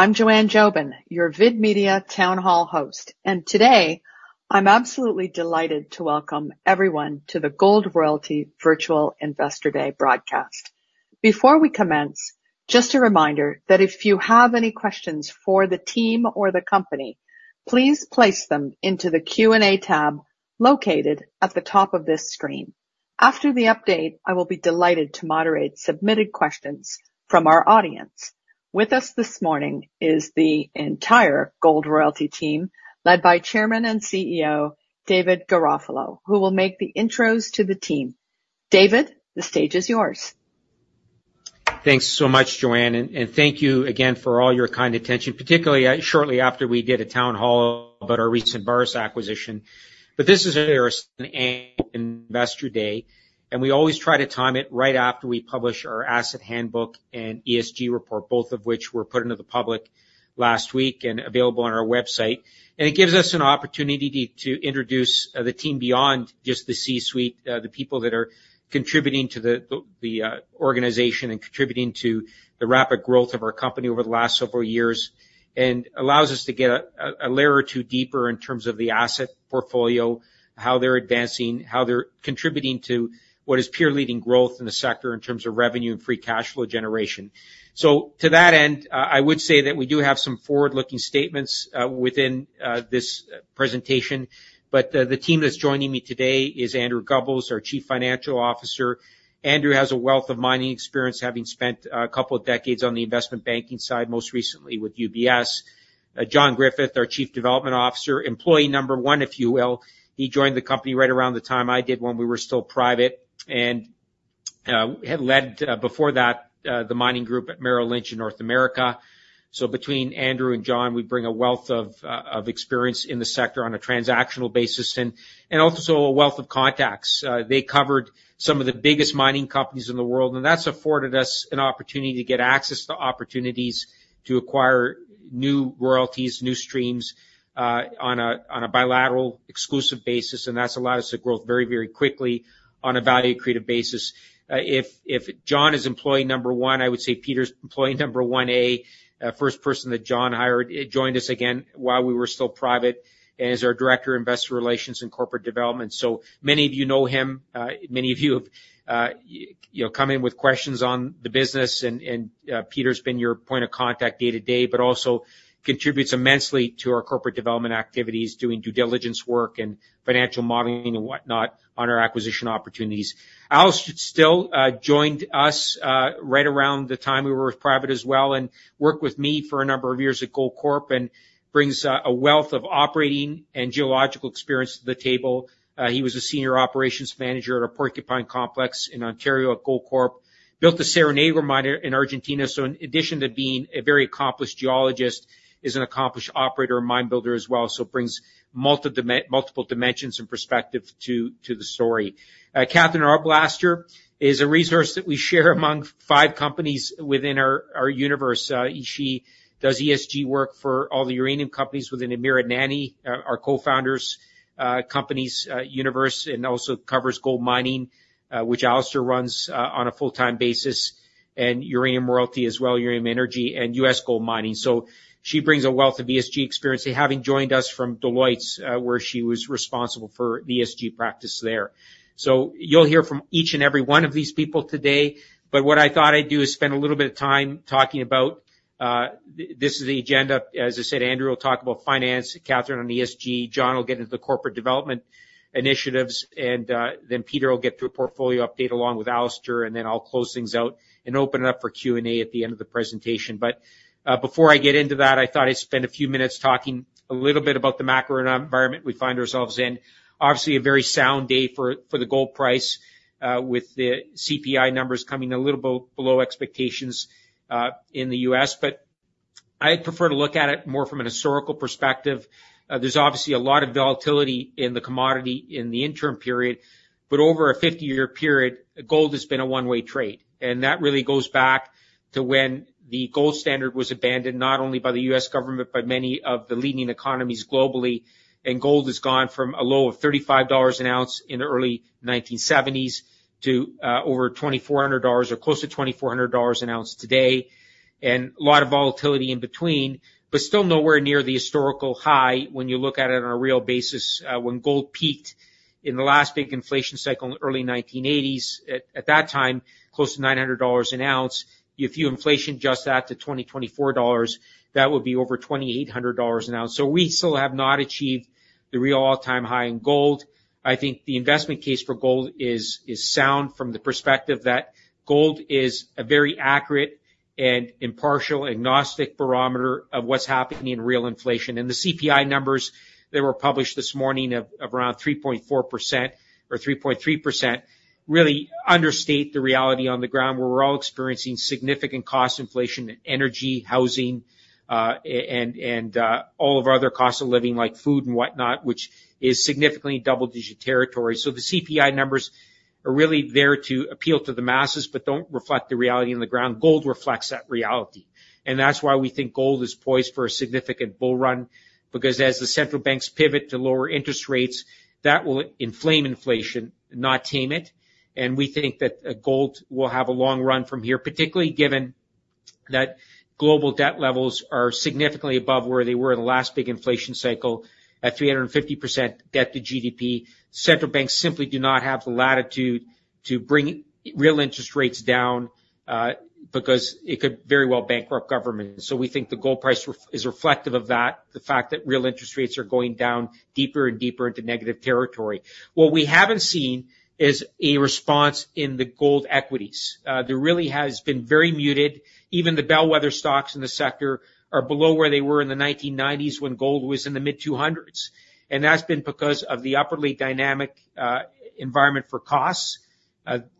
I'm Joanne Jobin, your VidMedia Town Hall host, and today I'm absolutely delighted to welcome everyone to the Gold Royalty Virtual Investor Day broadcast. Before we commence, just a reminder that if you have any questions for the team or the company, please place them into the Q&A tab located at the top of this screen. After the update, I will be delighted to moderate submitted questions from our audience. With us this morning is the entire Gold Royalty team, led by Chairman and CEO David Garofalo, who will make the intros to the team. David, the stage is yours. Thanks so much, Joanne, and thank you again for all your kind attention, particularly shortly after we did a town hall about our recent Borborema acquisition. But this is a very interesting investor day, and we always try to time it right after we publish our asset handbook and ESG report, both of which were put into the public last week and available on our website. It gives us an opportunity to introduce the team beyond just the C-suite, the people that are contributing to the organization and contributing to the rapid growth of our company over the last several years, and allows us to get a layer or two deeper in terms of the asset portfolio, how they're advancing, how they're contributing to what is peer-leading growth in the sector in terms of revenue and free cash flow generation. To that end, I would say that we do have some forward-looking statements within this presentation, but the team that's joining me today is Andrew Gubbels, our Chief Financial Officer. Andrew has a wealth of mining experience, having spent a couple of decades on the investment banking side, most recently with UBS. John Griffith, our Chief Development Officer, employee number one, if you will. He joined the company right around the time I did when we were still private, and had led before that the mining group at Merrill Lynch in North America. Between Andrew and John, we bring a wealth of experience in the sector on a transactional basis and also a wealth of contacts. They covered some of the biggest mining companies in the world, and that's afforded us an opportunity to get access to opportunities to acquire new royalties, new streams on a bilateral exclusive basis, and that's allowed us to grow very, very quickly on a value-created basis. If John is employee number one, I would say Peter's employee number one, a first person that John hired, joined us again while we were still private, and is our Director of Investor Relations and Corporate Development. So many of you know him. Many of you have come in with questions on the business, and Peter's been your point of contact day to day, but also contributes immensely to our corporate development activities, doing due diligence work and financial modeling and whatnot on our acquisition opportunities. Alastair Still joined us right around the time we were with private as well, and worked with me for a number of years at Goldcorp and brings a wealth of operating and geological experience to the table. He was a senior operations manager at a Porcupine Complex in Ontario at Goldcorp, built the Cerro Negro mine in Argentina. So in addition to being a very accomplished geologist, he is an accomplished operator and mine builder as well, so brings multiple dimensions and perspectives to the story. Katherine Arblaster is a resource that we share among five companies within our universe. She does ESG work for all the uranium companies within Amir Adnani, our co-founder's, companies universe, and also covers gold mining, which Alastair runs on a full-time basis, and uranium royalty as well, Uranium Energy, and U.S. GoldMining. So she brings a wealth of ESG experience, having joined us from Deloitte, where she was responsible for the ESG practice there. So you'll hear from each and every one of these people today, but what I thought I'd do is spend a little bit of time talking about. This is the agenda. As I said, Andrew will talk about finance, Katherine on ESG, John will get into the corporate development initiatives, and then Peter will get to a portfolio update along with Alastair, and then I'll close things out and open it up for Q&A at the end of the presentation. But before I get into that, I thought I'd spend a few minutes talking a little bit about the macro environment we find ourselves in. Obviously, a very sound day for the gold price with the CPI numbers coming a little bit below expectations in the U.S., but I'd prefer to look at it more from a historical perspective. There's obviously a lot of volatility in the commodity in the interim period, but over a 50-year period, gold has been a one-way trade, and that really goes back to when the gold standard was abandoned, not only by the U.S. government, but by many of the leading economies globally. And gold has gone from a low of $35 an ounce in the early 1970s to over $2,400 or close to $2,400 an ounce today, and a lot of volatility in between, but still nowhere near the historical high when you look at it on a real basis. When gold peaked in the last big inflation cycle in the early 1980s, at that time, close to $900 an ounce, if you inflate just that to $2,024, that would be over $2,800 an ounce. So we still have not achieved the real all-time high in gold. I think the investment case for gold is sound from the perspective that gold is a very accurate and impartial, agnostic barometer of what's happening in real inflation. And the CPI numbers that were published this morning of around 3.4% or 3.3% really understate the reality on the ground where we're all experiencing significant cost inflation in energy, housing, and all of our other costs of living, like food and whatnot, which is significantly double-digit territory. So the CPI numbers are really there to appeal to the masses, but don't reflect the reality on the ground. Gold reflects that reality, and that's why we think gold is poised for a significant bull run, because as the central banks pivot to lower interest rates, that will inflame inflation, not tame it. We think that gold will have a long run from here, particularly given that global debt levels are significantly above where they were in the last big inflation cycle at 350% debt to GDP. Central banks simply do not have the latitude to bring real interest rates down because it could very well bankrupt governments. We think the gold price is reflective of that, the fact that real interest rates are going down deeper and deeper into negative territory. What we haven't seen is a response in the gold equities. There really has been very muted. Even the bellwether stocks in the sector are below where they were in the 1990s when gold was in the mid-200s. That's been because of the upwardly dynamic environment for costs.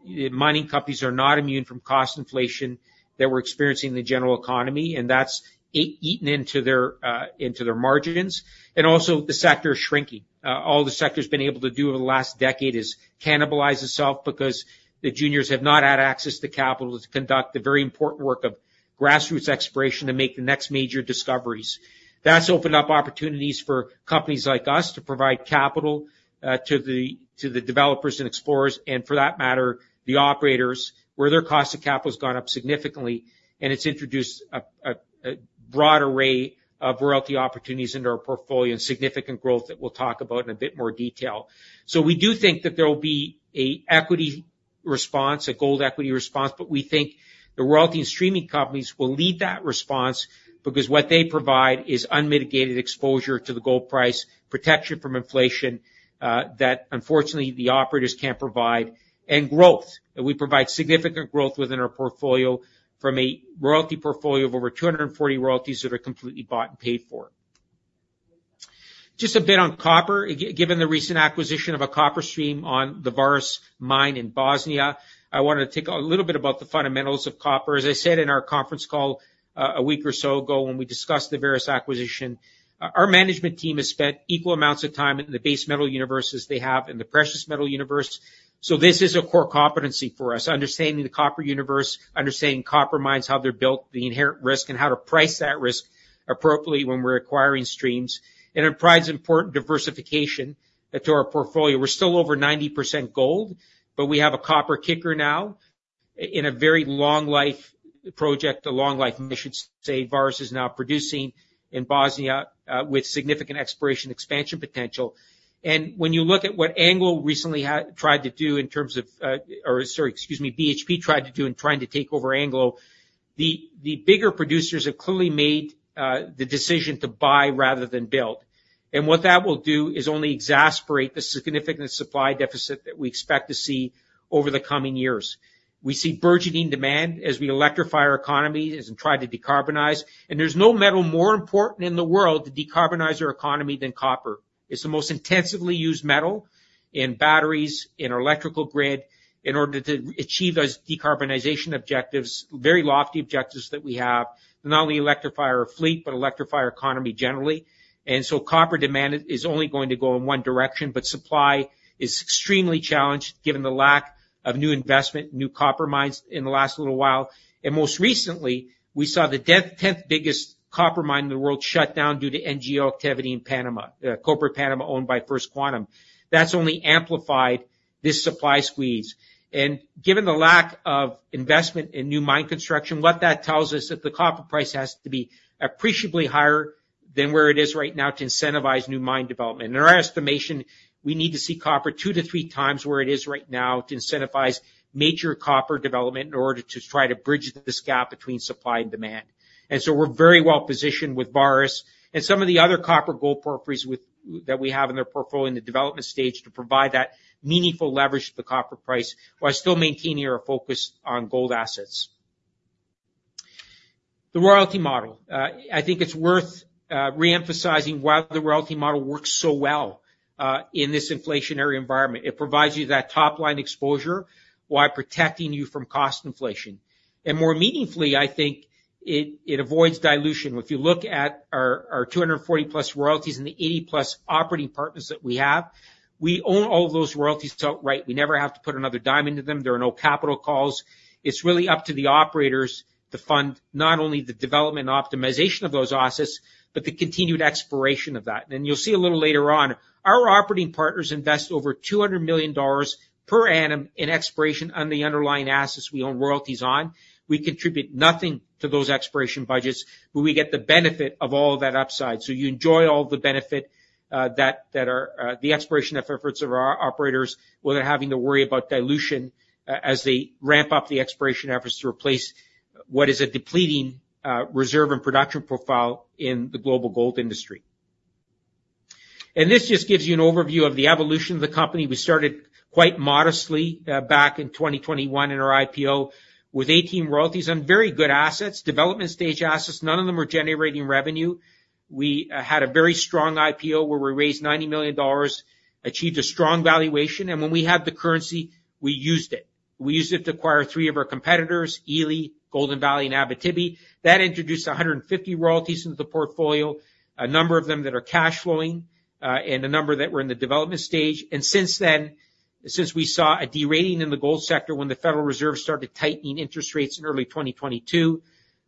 Mining companies are not immune from cost inflation that we're experiencing in the general economy, and that's eaten into their margins. Also the sector is shrinking. All the sector has been able to do over the last decade is cannibalize itself because the juniors have not had access to capital to conduct the very important work of grassroots exploration to make the next major discoveries. That's opened up opportunities for companies like us to provide capital to the developers and explorers, and for that matter, the operators, where their cost of capital has gone up significantly, and it's introduced a broad array of royalty opportunities into our portfolio and significant growth that we'll talk about in a bit more detail. So we do think that there will be an equity response, a gold equity response, but we think the royalty and streaming companies will lead that response because what they provide is unmitigated exposure to the gold price, protection from inflation that unfortunately the operators can't provide, and growth. We provide significant growth within our portfolio from a royalty portfolio of over 240 royalties that are completely bought and paid for. Just a bit on copper, given the recent acquisition of a copper stream on the Vares mine in Bosnia, I wanted to take a little bit about the fundamentals of copper. As I said in our conference call a week or so ago when we discussed the various acquisition, our management team has spent equal amounts of time in the base metal universe as they have in the precious metal universe. So this is a core competency for us, understanding the copper universe, understanding copper mines, how they're built, the inherent risk, and how to price that risk appropriately when we're acquiring streams. It provides important diversification to our portfolio. We're still over 90% gold, but we have a copper kicker now in a very long-life project, a long-life mine, say Vares is now producing in Bosnia with significant exploration expansion potential. And when you look at what Anglo recently tried to do in terms of, or sorry, excuse me, BHP tried to do in trying to take over Anglo, the bigger producers have clearly made the decision to buy rather than build. And what that will do is only exacerbate the significant supply deficit that we expect to see over the coming years. We see burgeoning demand as we electrify our economies and try to decarbonize. And there's no metal more important in the world to decarbonize our economy than copper. It's the most intensively used metal in batteries, in our electrical grid, in order to achieve those decarbonization objectives, very lofty objectives that we have, not only electrify our fleet, but electrify our economy generally. So copper demand is only going to go in one direction, but supply is extremely challenged given the lack of new investment, new copper mines in the last little while. And most recently, we saw the 10th biggest copper mine in the world shut down due to NGO activity in Panama, Cobre Panama owned by First Quantum. That's only amplified this supply squeeze. And given the lack of investment in new mine construction, what that tells us is that the copper price has to be appreciably higher than where it is right now to incentivize new mine development. In our estimation, we need to see copper 2-3 times where it is right now to incentivize major copper development in order to try to bridge this gap between supply and demand. And so we're very well positioned with Borborema and some of the other copper-gold porphyries that we have in their portfolio in the development stage to provide that meaningful leverage to the copper price while still maintaining our focus on gold assets. The royalty model, I think it's worth reemphasizing why the royalty model works so well in this inflationary environment. It provides you that top-line exposure while protecting you from cost inflation. And more meaningfully, I think it avoids dilution. If you look at our 240+ royalties and the 80+ operating partners that we have, we own all of those royalties outright. We never have to put another dime into them. There are no capital calls. It's really up to the operators to fund not only the development and optimization of those assets, but the continued exploration of that. And you'll see a little later on, our operating partners invest over $200 million per annum in exploration on the underlying assets we own royalties on. We contribute nothing to those exploration budgets, but we get the benefit of all of that upside. So you enjoy all the benefit that the exploration efforts of our operators, whether having to worry about dilution as they ramp up the exploration efforts to replace what is a depleting reserve and production profile in the global gold industry. And this just gives you an overview of the evolution of the company. We started quite modestly back in 2021 in our IPO with 18 royalties on very good assets, development-stage assets. None of them were generating revenue. We had a very strong IPO where we raised $90 million, achieved a strong valuation, and when we had the currency, we used it. We used it to acquire 3 of our competitors, Ely, Golden Valley, and Abitibi. That introduced 150 royalties into the portfolio, a number of them that are cash flowing and a number that were in the development stage. And since then, since we saw a derailing in the gold sector when the Federal Reserve started tightening interest rates in early 2022,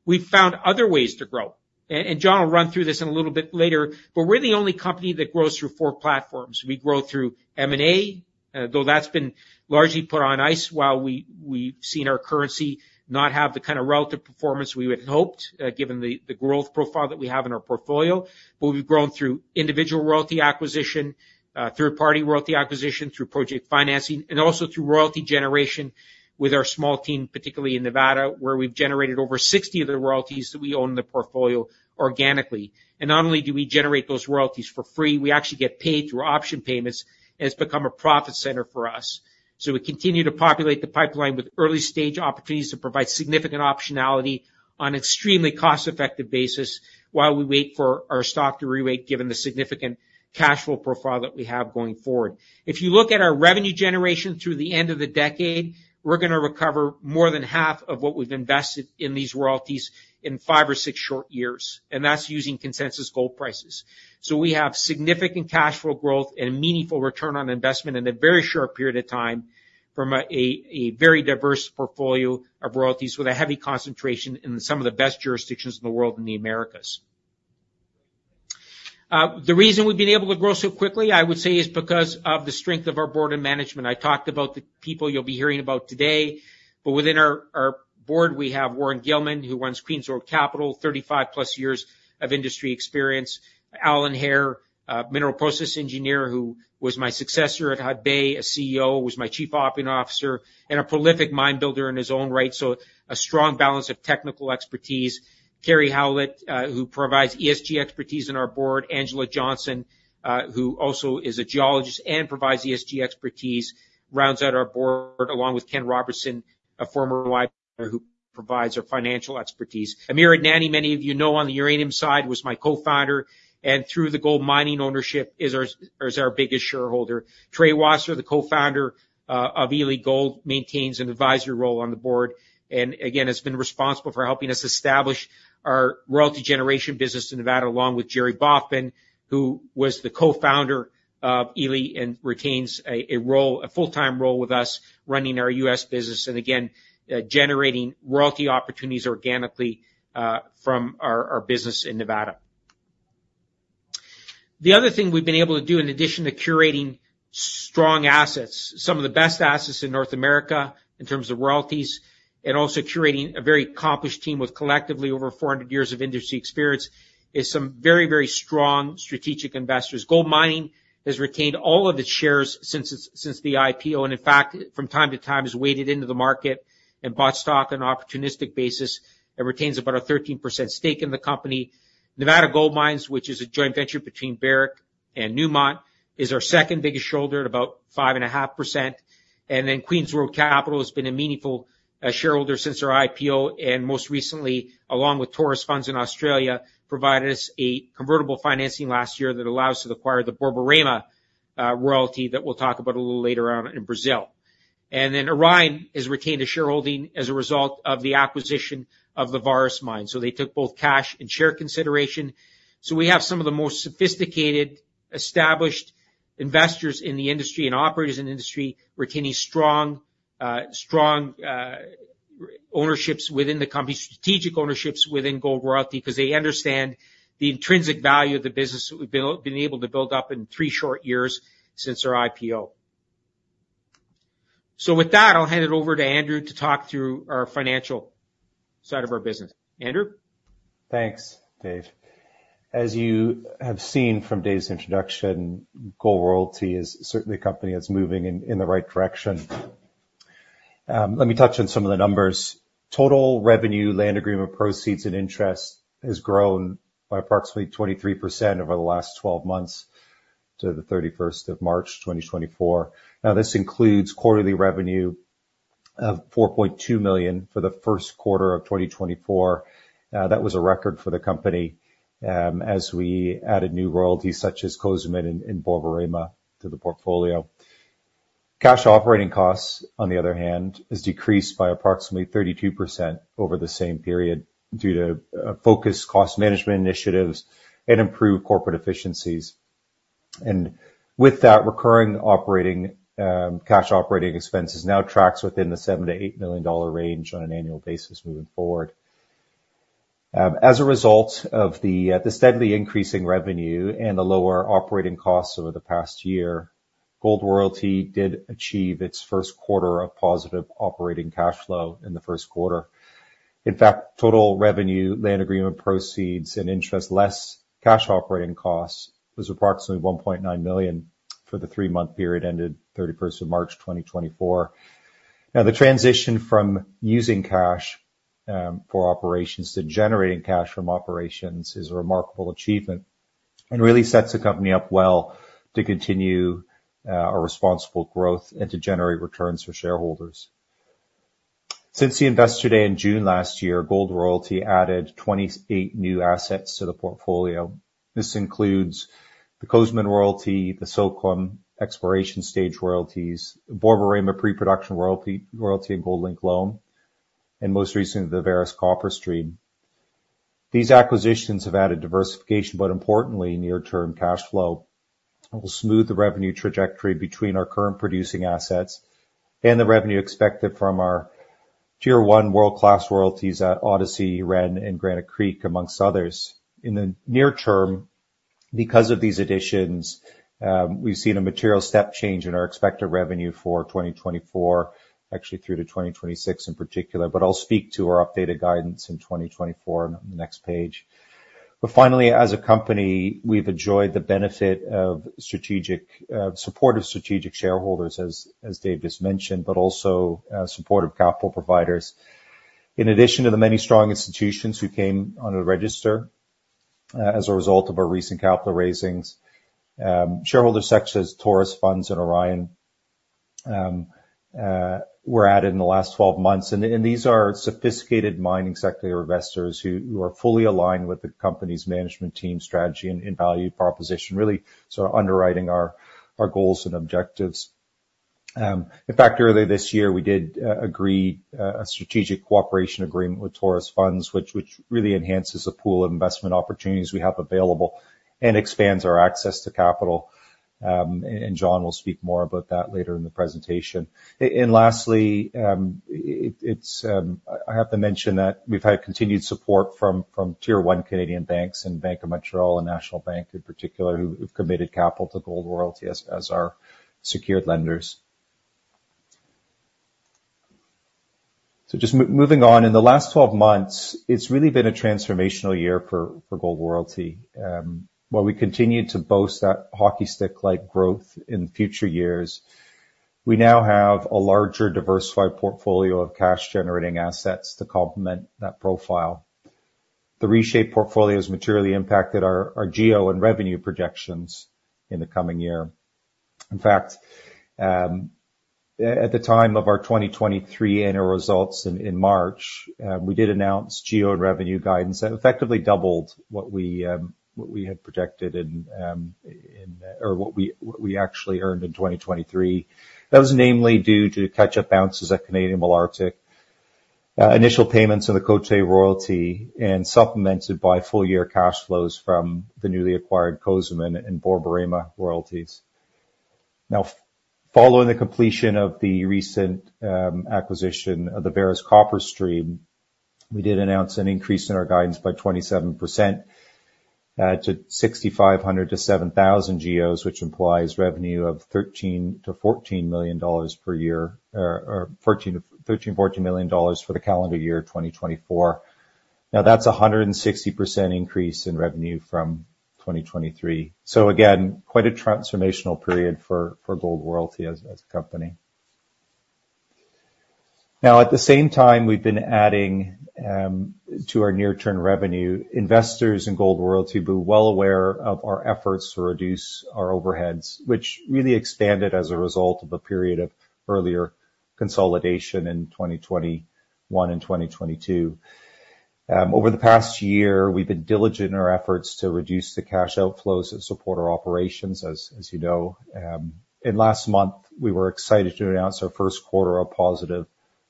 we've found other ways to grow. And John will run through this in a little bit later, but we're the only company that grows through 4 platforms. We grow through M&A, though that's been largely put on ice while we've seen our currency not have the kind of relative performance we had hoped given the growth profile that we have in our portfolio. But we've grown through individual royalty acquisition, third-party royalty acquisition, through project financing, and also through royalty generation with our small team, particularly in Nevada, where we've generated over 60 of the royalties that we own in the portfolio organically. And not only do we generate those royalties for free, we actually get paid through option payments, and it's become a profit center for us. So we continue to populate the pipeline with early-stage opportunities to provide significant optionality on an extremely cost-effective basis while we wait for our stock to re-weight given the significant cash flow profile that we have going forward. If you look at our revenue generation through the end of the decade, we're going to recover more than half of what we've invested in these royalties in 5 or 6 short years, and that's using consensus gold prices. So we have significant cash flow growth and a meaningful return on investment in a very short period of time from a very diverse portfolio of royalties with a heavy concentration in some of the best jurisdictions in the world in the Americas. The reason we've been able to grow so quickly, I would say, is because of the strength of our board and management. I talked about the people you'll be hearing about today, but within our board, we have Warren Gilman, who runs Queen's Road Capital, 35+ years of industry experience. Alan Hair, mineral process engineer, who was my successor at Hudbay, a CEO, was my chief operating officer, and a prolific mine builder in his own right. So a strong balance of technical expertise. Karri Howlett, who provides ESG expertise in our board. Angela Johnson, who also is a geologist and provides ESG expertise, rounds out our board along with Ken Robertson, a former CA who provides our financial expertise. Amir Adnani, many of you know on the uranium side, was my co-founder and through the gold mining ownership is our biggest shareholder. Trey Wasser, the co-founder of Ely Gold, maintains an advisory role on the board and again has been responsible for helping us establish our royalty generation business in Nevada along with Jerry Baughman, who was the co-founder of Ely and retains a full-time role with us running our U.S. business and again generating royalty opportunities organically from our business in Nevada. The other thing we've been able to do in addition to curating strong assets, some of the best assets in North America in terms of royalties, and also curating a very accomplished team with collectively over 400 years of industry experience is some very, very strong strategic investors. Gold Mining has retained all of its shares since the IPO and in fact, from time to time, has waded into the market and bought stock on an opportunistic basis. It retains about a 13% stake in the company. Nevada Gold Mines, which is a joint venture between Barrick and Newmont, is our second biggest shareholder at about 5.5%. Queen's Road Capital has been a meaningful shareholder since our IPO and most recently, along with Taurus Funds Management in Australia, provided us a convertible financing last year that allows us to acquire the Borborema royalty that we'll talk about a little later on in Brazil. Orion has retained a shareholding as a result of the acquisition of the Vares mine. So they took both cash and share consideration. We have some of the most sophisticated established investors in the industry and operators in the industry retaining strong ownerships within the company, strategic ownerships within Gold Royalty because they understand the intrinsic value of the business that we've been able to build up in three short years since our IPO. With that, I'll hand it over to Andrew to talk through our financial side of our business. Andrew? Thanks, Dave. As you have seen from Dave's introduction, Gold Royalty is certainly a company that's moving in the right direction. Let me touch on some of the numbers. Total revenue, land agreement proceeds, and interest has grown by approximately 23% over the last 12 months to the 31st of March 2024. Now, this includes quarterly revenue of $4.2 million for the first quarter of 2024. That was a record for the company as we added new royalties such as Cozamin and Borborema to the portfolio. Cash operating costs, on the other hand, have decreased by approximately 32% over the same period due to focused cost management initiatives and improved corporate efficiencies. With that, recurring operating cash operating expenses now track within the $7-$8 million range on an annual basis moving forward. As a result of the steadily increasing revenue and the lower operating costs over the past year, Gold Royalty did achieve its first quarter of positive operating cash flow in the first quarter. In fact, total revenue, land agreement proceeds, and interest, less cash operating costs was approximately $1.9 million for the three-month period ended 31st of March 2024. Now, the transition from using cash for operations to generating cash from operations is a remarkable achievement and really sets the company up well to continue our responsible growth and to generate returns for shareholders. Since the Investor Day in June last year, Gold Royalty added 28 new assets to the portfolio. This includes the Cozamin Royalty, the Silver Exploration Stage Royalties, Borborema Pre-Production Royalty, and Golden Valley, and most recently, the Vares Copper Stream. These acquisitions have added diversification, but importantly, near-term cash flow will smooth the revenue trajectory between our current producing assets and the revenue expected from our Tier 1 world-class royalties at Odyssey, Ren, and Granite Creek, among others. In the near term, because of these additions, we've seen a material step change in our expected revenue for 2024, actually through to 2026 in particular, but I'll speak to our updated guidance in 2024 on the next page. But finally, as a company, we've enjoyed the benefit of supportive strategic shareholders, as Dave just mentioned, but also supportive capital providers. In addition to the many strong institutions who came on the register as a result of our recent capital raisings, shareholders such as Taurus Funds and Orion were added in the last 12 months. These are sophisticated mining sector investors who are fully aligned with the company's management team strategy and value proposition, really sort of underwriting our goals and objectives. In fact, earlier this year, we did agree on a strategic cooperation agreement with Taurus Funds, which really enhances the pool of investment opportunities we have available and expands our access to capital. John will speak more about that later in the presentation. Lastly, I have to mention that we've had continued support from tier one Canadian banks and Bank of Montreal and National Bank in particular, who have committed capital to Gold Royalty as our secured lenders. Just moving on, in the last 12 months, it's really been a transformational year for Gold Royalty. While we continue to boast that hockey stick-like growth in future years, we now have a larger, diversified portfolio of cash-generating assets to complement that profile. The reshaped portfolio has materially impacted our GEO and revenue projections in the coming year. In fact, at the time of our 2023 annual results in March, we did announce GEO and revenue guidance that effectively doubled what we had projected or what we actually earned in 2023. That was mainly due to catch-up bounces at Canadian Malartic, initial payments of the Côté royalty, and supplemented by full-year cash flows from the newly acquired Cozamin and Borborema royalties. Now, following the completion of the recent acquisition of the Vares Copper Stream, we did announce an increase in our guidance by 27% to 6,500-7,000 GEOs, which implies revenue of $13-$14 million per year or $13-$14 million for the calendar year 2024. Now, that's a 160% increase in revenue from 2023. So again, quite a transformational period for Gold Royalty as a company. Now, at the same time, we've been adding to our near-term revenue. Investors in Gold Royalty were well aware of our efforts to reduce our overheads, which really expanded as a result of a period of earlier consolidation in 2021 and 2022. Over the past year, we've been diligent in our efforts to reduce the cash outflows that support our operations, as you know. Last month, we were excited to announce our first quarter of positive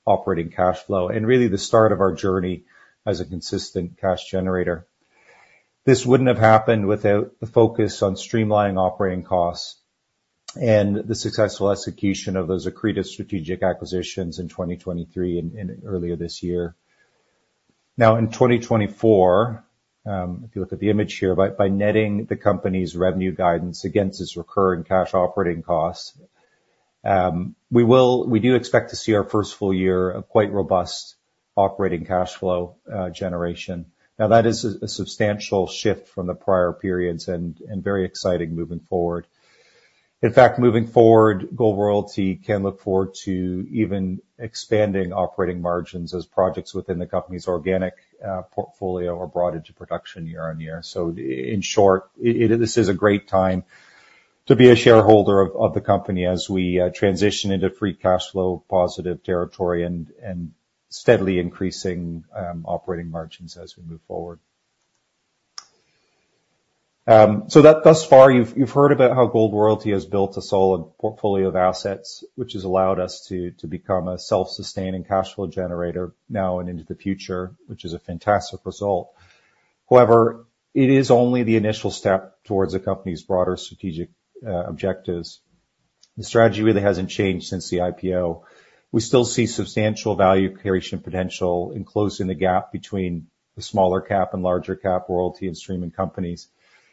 operating cash flow and really the start of our journey as a consistent cash generator. This wouldn't have happened without the focus on streamlining operating costs and the successful execution of those accretive strategic acquisitions in 2023 and earlier this year. Now, in 2024, if you look at the image here, by netting the company's revenue guidance against its recurring cash operating costs, we do expect to see our first full year of quite robust operating cash flow generation. Now, that is a substantial shift from the prior periods and very exciting moving forward. In fact, moving forward, Gold Royalty can look forward to even expanding operating margins as projects within the company's organic portfolio are brought into production year on year. In short, this is a great time to be a shareholder of the company as we transition into free cash flow positive territory and steadily increasing operating margins as we move forward. Thus far, you've heard about how Gold Royalty has built a solid portfolio of assets, which has allowed us to become a self-sustaining cash flow generator now and into the future, which is a fantastic result. However, it is only the initial step towards the company's broader strategic objectives. The strategy really hasn't changed since the IPO. We still see substantial value creation potential in closing the gap between the smaller cap and larger cap royalty and streaming companies.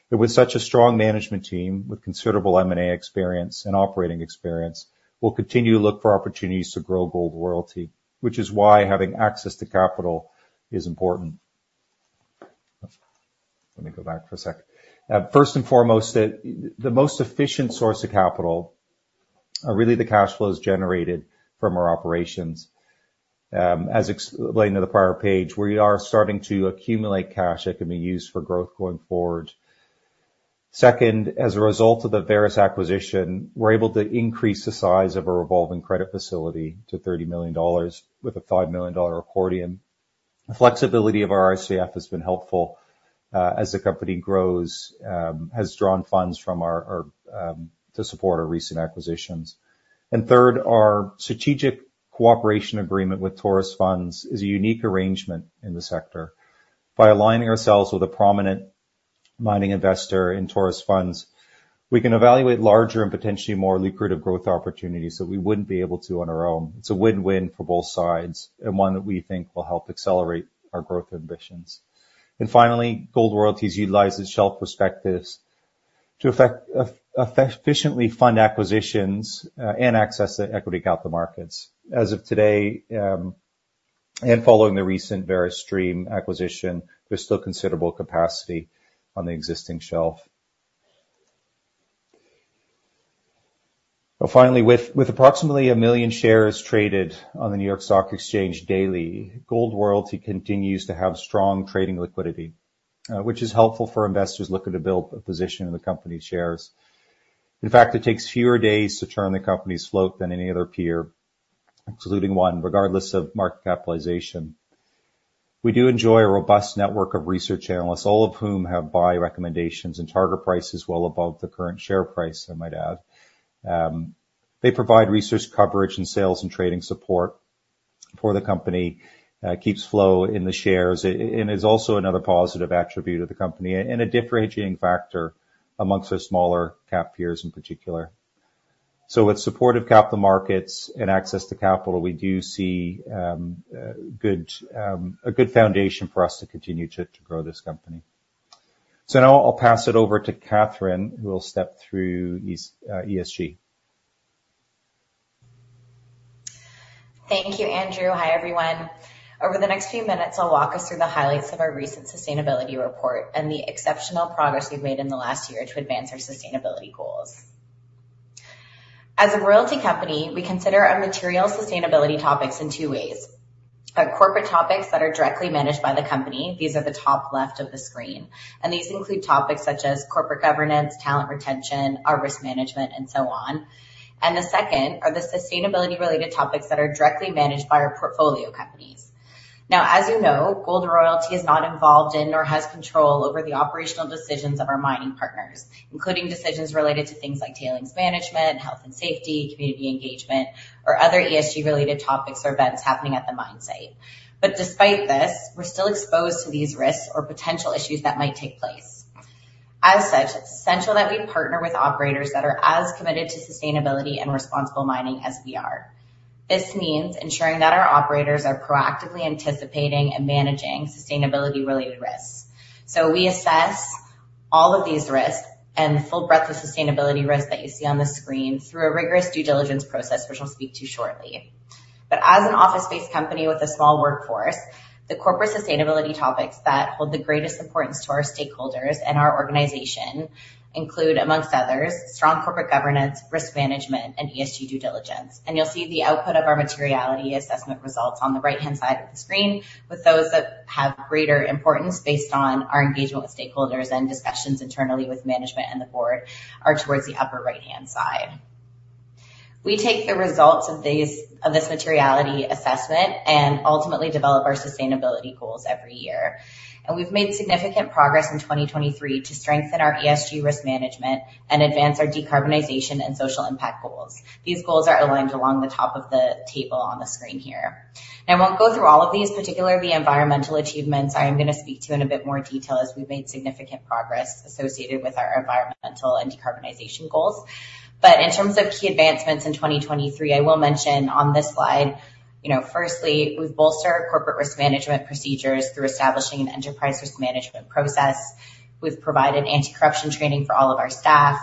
But with such a strong management team with considerable M&A experience and operating experience, we'll continue to look for opportunities to grow Gold Royalty, which is why having access to capital is important. Let me go back for a second. First and foremost, the most efficient source of capital are really the cash flows generated from our operations. As explained on the prior page, we are starting to accumulate cash that can be used for growth going forward. Second, as a result of the Vares acquisition, we're able to increase the size of our revolving credit facility to $30 million with a $5 million accordion. The flexibility of our RCF has been helpful as the company grows, has drawn funds to support our recent acquisitions. And third, our strategic cooperation agreement with Taurus Funds is a unique arrangement in the sector. By aligning ourselves with a prominent mining investor in Taurus Funds, we can evaluate larger and potentially more lucrative growth opportunities that we wouldn't be able to on our own. It's a win-win for both sides and one that we think will help accelerate our growth ambitions. And finally, Gold Royalty has utilized its shelf prospectus to efficiently fund acquisitions and access to equity capital markets. As of today and following the recent Vares Stream acquisition, there's still considerable capacity on the existing shelf. Finally, with approximately 1 million shares traded on the New York Stock Exchange daily, Gold Royalty continues to have strong trading liquidity, which is helpful for investors looking to build a position in the company's shares. In fact, it takes fewer days to turn the company's float than any other peer, excluding one, regardless of market capitalization. We do enjoy a robust network of research analysts, all of whom have buy recommendations and target prices well above the current share price, I might add. They provide research coverage and sales and trading support for the company, keeps flow in the shares, and is also another positive attribute of the company and a differentiating factor amongst our smaller cap peers in particular. So with supportive capital markets and access to capital, we do see a good foundation for us to continue to grow this company. So now I'll pass it over to Katherine, who will step through ESG. Thank you, Andrew. Hi, everyone. Over the next few minutes, I'll walk us through the highlights of our recent sustainability report and the exceptional progress we've made in the last year to advance our sustainability goals. As a royalty company, we consider our material sustainability topics in two ways. Corporate topics that are directly managed by the company. These are the top left of the screen. These include topics such as corporate governance, talent retention, our risk management, and so on. The second are the sustainability-related topics that are directly managed by our portfolio companies. Now, as you know, Gold Royalty is not involved in or has control over the operational decisions of our mining partners, including decisions related to things like tailings management, health and safety, community engagement, or other ESG-related topics or events happening at the mine site. But despite this, we're still exposed to these risks or potential issues that might take place. As such, it's essential that we partner with operators that are as committed to sustainability and responsible mining as we are. This means ensuring that our operators are proactively anticipating and managing sustainability-related risks. So we assess all of these risks and the full breadth of sustainability risks that you see on the screen through a rigorous due diligence process, which I'll speak to shortly. But as an office-based company with a small workforce, the corporate sustainability topics that hold the greatest importance to our stakeholders and our organization include, amongst others, strong corporate governance, risk management, and ESG due diligence. And you'll see the output of our materiality assessment results on the right-hand side of the screen, with those that have greater importance based on our engagement with stakeholders and discussions internally with management and the board are towards the upper right-hand side. We take the results of this materiality assessment and ultimately develop our sustainability goals every year. And we've made significant progress in 2023 to strengthen our ESG risk management and advance our decarbonization and social impact goals. These goals are aligned along the top of the table on the screen here. Now, I won't go through all of these, particularly the environmental achievements. I am going to speak to in a bit more detail as we've made significant progress associated with our environmental and decarbonization goals. But in terms of key advancements in 2023, I will mention on this slide, firstly, we've bolstered our corporate risk management procedures through establishing an enterprise risk management process. We've provided anti-corruption training for all of our staff.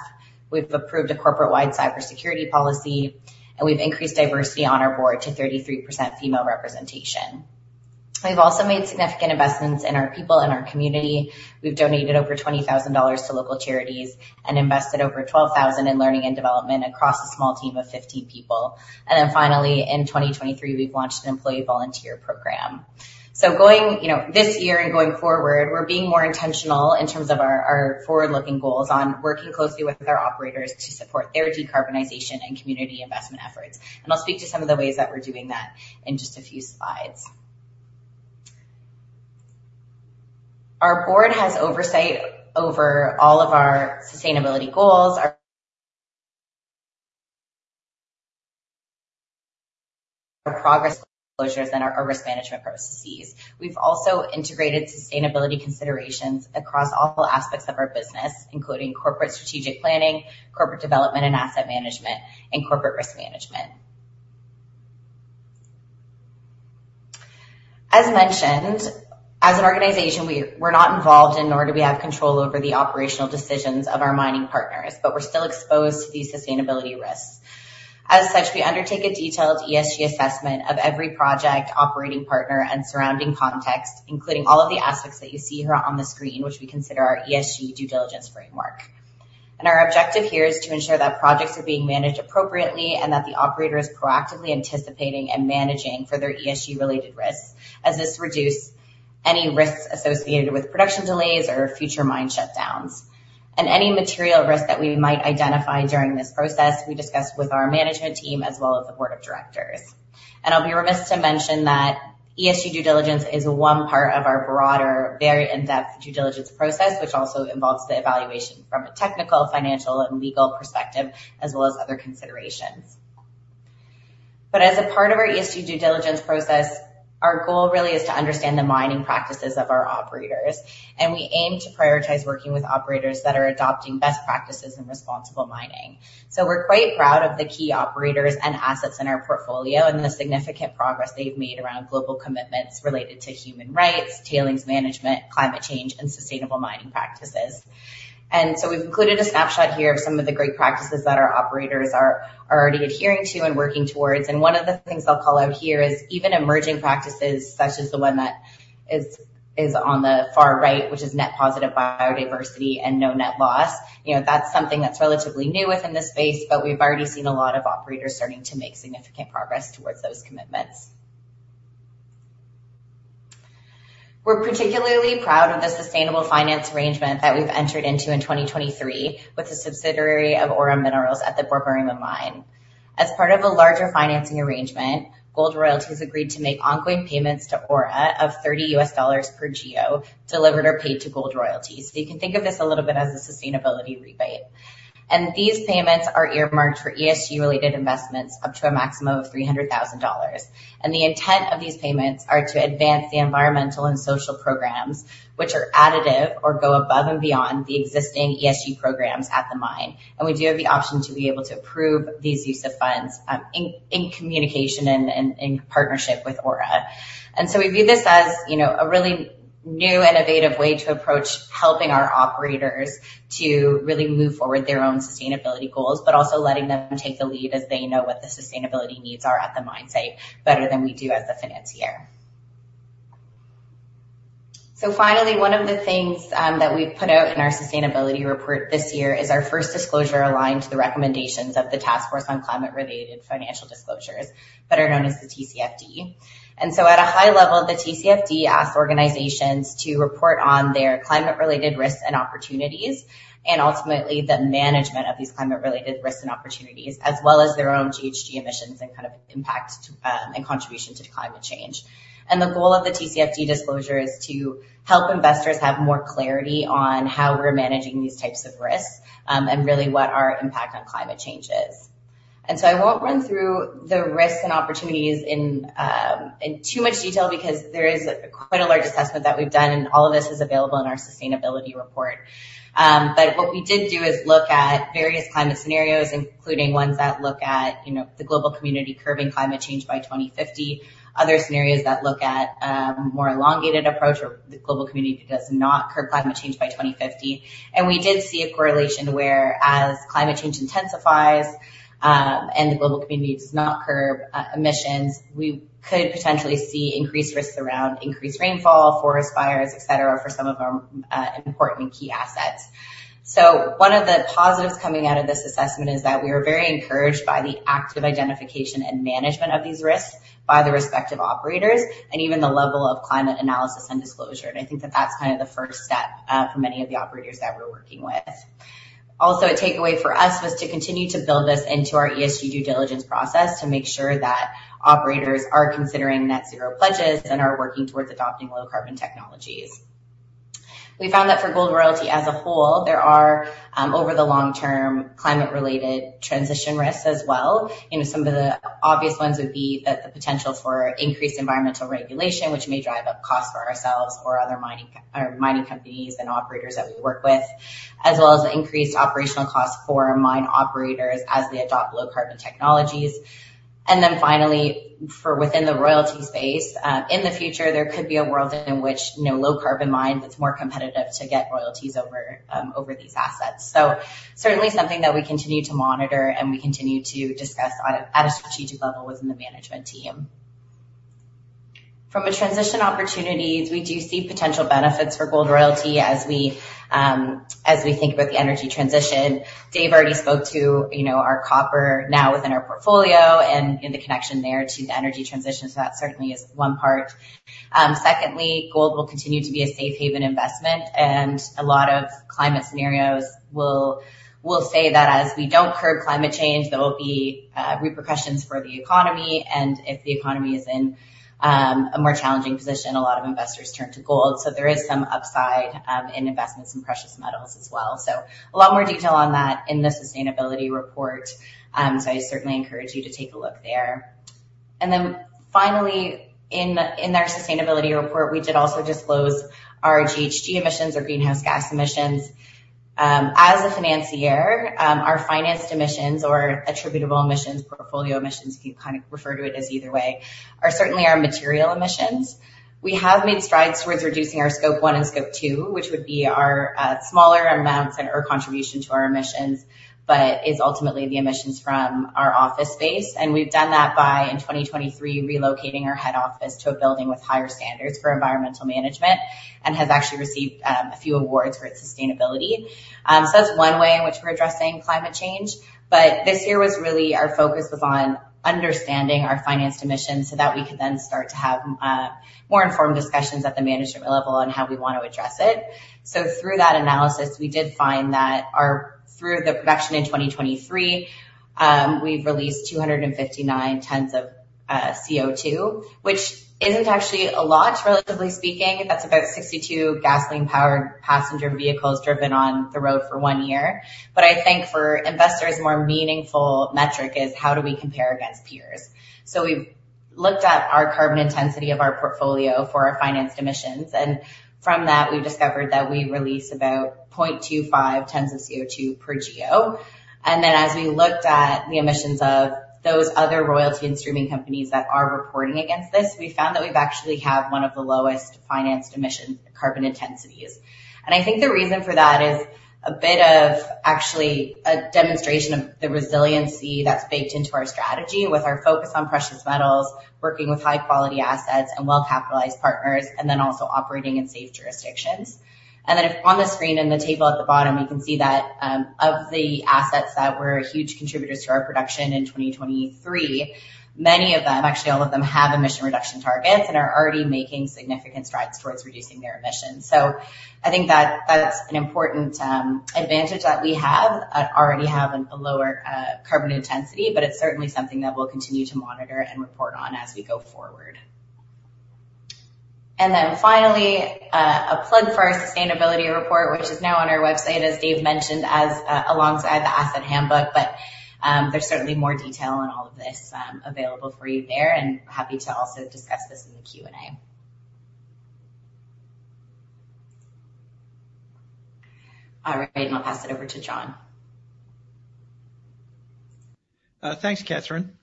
We've approved a corporate-wide cybersecurity policy, and we've increased diversity on our board to 33% female representation. We've also made significant investments in our people and our community. We've donated over $20,000 to local charities and invested over $12,000 in learning and development across a small team of 15 people. And then finally, in 2023, we've launched an employee volunteer program. This year and going forward, we're being more intentional in terms of our forward-looking goals on working closely with our operators to support their decarbonization and community investment efforts. I'll speak to some of the ways that we're doing that in just a few slides. Our board has oversight over all of our sustainability goals, our progress closures, and our risk management processes. We've also integrated sustainability considerations across all aspects of our business, including corporate strategic planning, corporate development and asset management, and corporate risk management. As mentioned, as an organization, we're not involved in nor do we have control over the operational decisions of our mining partners, but we're still exposed to these sustainability risks. As such, we undertake a detailed ESG assessment of every project, operating partner, and surrounding context, including all of the aspects that you see here on the screen, which we consider our ESG due diligence framework. Our objective here is to ensure that projects are being managed appropriately and that the operator is proactively anticipating and managing for their ESG-related risks, as this reduces any risks associated with production delays or future mine shutdowns. Any material risks that we might identify during this process, we discuss with our management team as well as the board of directors. I'll be remiss to mention that ESG due diligence is one part of our broader, very in-depth due diligence process, which also involves the evaluation from a technical, financial, and legal perspective, as well as other considerations. But as a part of our ESG due diligence process, our goal really is to understand the mining practices of our operators. And we aim to prioritize working with operators that are adopting best practices and responsible mining. So we're quite proud of the key operators and assets in our portfolio and the significant progress they've made around global commitments related to human rights, tailings management, climate change, and sustainable mining practices. And so we've included a snapshot here of some of the great practices that our operators are already adhering to and working towards. And one of the things I'll call out here is even emerging practices, such as the one that is on the far right, which is net positive biodiversity and no net loss. That's something that's relatively new within the space, but we've already seen a lot of operators starting to make significant progress towards those commitments. We're particularly proud of the sustainable finance arrangement that we've entered into in 2023 with the subsidiary of Ora Minerals at the Borborema Mine. As part of a larger financing arrangement, Gold Royalty has agreed to make ongoing payments to Ora of $30 per GEO delivered or paid to Gold Royalty. So you can think of this a little bit as a sustainability rebate. And these payments are earmarked for ESG-related investments up to a maximum of $300,000. And the intent of these payments are to advance the environmental and social programs, which are additive or go above and beyond the existing ESG programs at the mine. And we do have the option to be able to approve these use of funds in communication and in partnership with Ora. And so we view this as a really new, innovative way to approach helping our operators to really move forward their own sustainability goals, but also letting them take the lead as they know what the sustainability needs are at the mine site better than we do as the financier. So finally, one of the things that we've put out in our sustainability report this year is our first disclosure aligned to the recommendations of the Task Force on Climate-Related Financial Disclosures, better known as the TCFD. So at a high level, the TCFD asks organizations to report on their climate-related risks and opportunities, and ultimately the management of these climate-related risks and opportunities, as well as their own GHG emissions and kind of impact and contribution to climate change. The goal of the TCFD disclosure is to help investors have more clarity on how we're managing these types of risks and really what our impact on climate change is. I won't run through the risks and opportunities in too much detail because there is quite a large assessment that we've done, and all of this is available in our sustainability report. But what we did do is look at various climate scenarios, including ones that look at the global community curbing climate change by 2050, other scenarios that look at a more elongated approach where the global community does not curb climate change by 2050. And we did see a correlation where, as climate change intensifies and the global community does not curb emissions, we could potentially see increased risks around increased rainfall, forest fires, etc., for some of our important and key assets. So one of the positives coming out of this assessment is that we are very encouraged by the active identification and management of these risks by the respective operators and even the level of climate analysis and disclosure. And I think that that's kind of the first step for many of the operators that we're working with. Also, a takeaway for us was to continue to build this into our ESG due diligence process to make sure that operators are considering net zero pledges and are working towards adopting low-carbon technologies. We found that for Gold Royalty as a whole, there are over-the-long-term climate-related transition risks as well. Some of the obvious ones would be the potential for increased environmental regulation, which may drive up costs for ourselves or other mining companies and operators that we work with, as well as increased operational costs for mine operators as they adopt low-carbon technologies. And then finally, within the royalty space, in the future, there could be a world in which low-carbon mines that's more competitive to get royalties over these assets. So certainly something that we continue to monitor and we continue to discuss at a strategic level within the management team. From a transition opportunities, we do see potential benefits for Gold Royalty as we think about the energy transition. Dave already spoke to our copper now within our portfolio and the connection there to the energy transition. So that certainly is one part. Secondly, gold will continue to be a safe haven investment, and a lot of climate scenarios will say that as we don't curb climate change, there will be repercussions for the economy. And if the economy is in a more challenging position, a lot of investors turn to gold. So there is some upside in investments in precious metals as well. So a lot more detail on that in the sustainability report. So I certainly encourage you to take a look there. And then finally, in our sustainability report, we did also disclose our GHG emissions or greenhouse gas emissions. As a financier, our financed emissions or attributable emissions, portfolio emissions, you can kind of refer to it as either way, are certainly our material emissions. We have made strides towards reducing our Scope 1 and Scope 2, which would be our smaller amounts and our contribution to our emissions, but is ultimately the emissions from our office space. We've done that by, in 2023, relocating our head office to a building with higher standards for environmental management and has actually received a few awards for its sustainability. That's one way in which we're addressing climate change. This year was really our focus was on understanding our financed emissions so that we could then start to have more informed discussions at the management level on how we want to address it. So through that analysis, we did find that through the production in 2023, we've released 259 tons of CO2, which isn't actually a lot, relatively speaking. That's about 62 gasoline-powered passenger vehicles driven on the road for one year. But I think for investors, a more meaningful metric is how do we compare against peers. So we've looked at our carbon intensity of our portfolio for our financed emissions. And from that, we've discovered that we release about 0.25 tons of CO2 per GEO. And then as we looked at the emissions of those other royalty and streaming companies that are reporting against this, we found that we actually have one of the lowest financed emission carbon intensities. And I think the reason for that is a bit of actually a demonstration of the resiliency that's baked into our strategy with our focus on precious metals, working with high-quality assets and well-capitalized partners, and then also operating in safe jurisdictions. And then on the screen and the table at the bottom, you can see that of the assets that were huge contributors to our production in 2023, many of them, actually all of them, have emission reduction targets and are already making significant strides towards reducing their emissions. So I think that that's an important advantage that we already have in the lower carbon intensity, but it's certainly something that we'll continue to monitor and report on as we go forward. And then finally, a plug for our sustainability report, which is now on our website, as Dave mentioned, alongside the asset handbook. But there's certainly more detail on all of this available for you there, and happy to also discuss this in the Q&A. All right. I'll pass it over to John. Thanks, Katherine.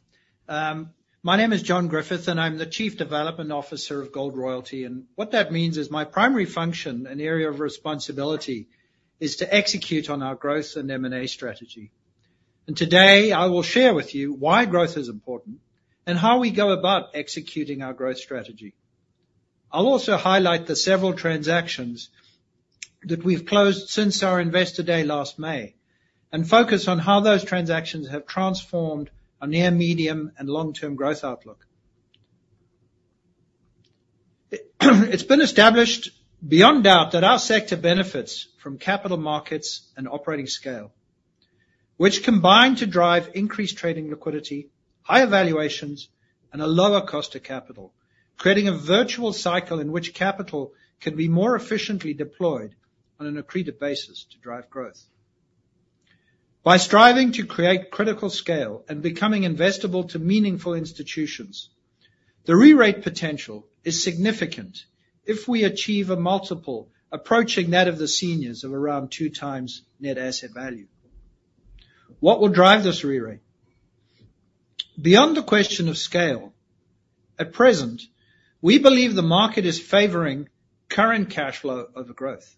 My name is John Griffith, and I'm the Chief Development Officer of Gold Royalty. What that means is my primary function, an area of responsibility, is to execute on our growth and M&A strategy. Today, I will share with you why growth is important and how we go about executing our growth strategy. I'll also highlight the several transactions that we've closed since our investor day last May and focus on how those transactions have transformed our near-medium and long-term growth outlook. It's been established beyond doubt that our sector benefits from capital markets and operating scale, which combine to drive increased trading liquidity, higher valuations, and a lower cost of capital, creating a virtual cycle in which capital can be more efficiently deployed on an accreted basis to drive growth. By striving to create critical scale and becoming investable to meaningful institutions, the re-rate potential is significant if we achieve a multiple approaching that of the seniors of around 2x net asset value. What will drive this re-rate? Beyond the question of scale, at present, we believe the market is favoring current cash flow over growth.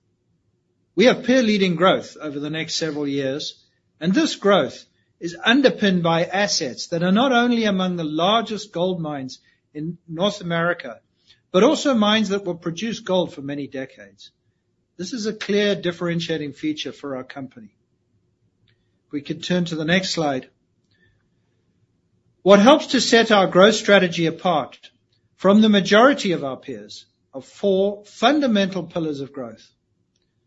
We have peer-leading growth over the next several years, and this growth is underpinned by assets that are not only among the largest gold mines in North America, but also mines that will produce gold for many decades. This is a clear differentiating feature for our company. We could turn to the next slide. What helps to set our growth strategy apart from the majority of our peers are four fundamental pillars of growth.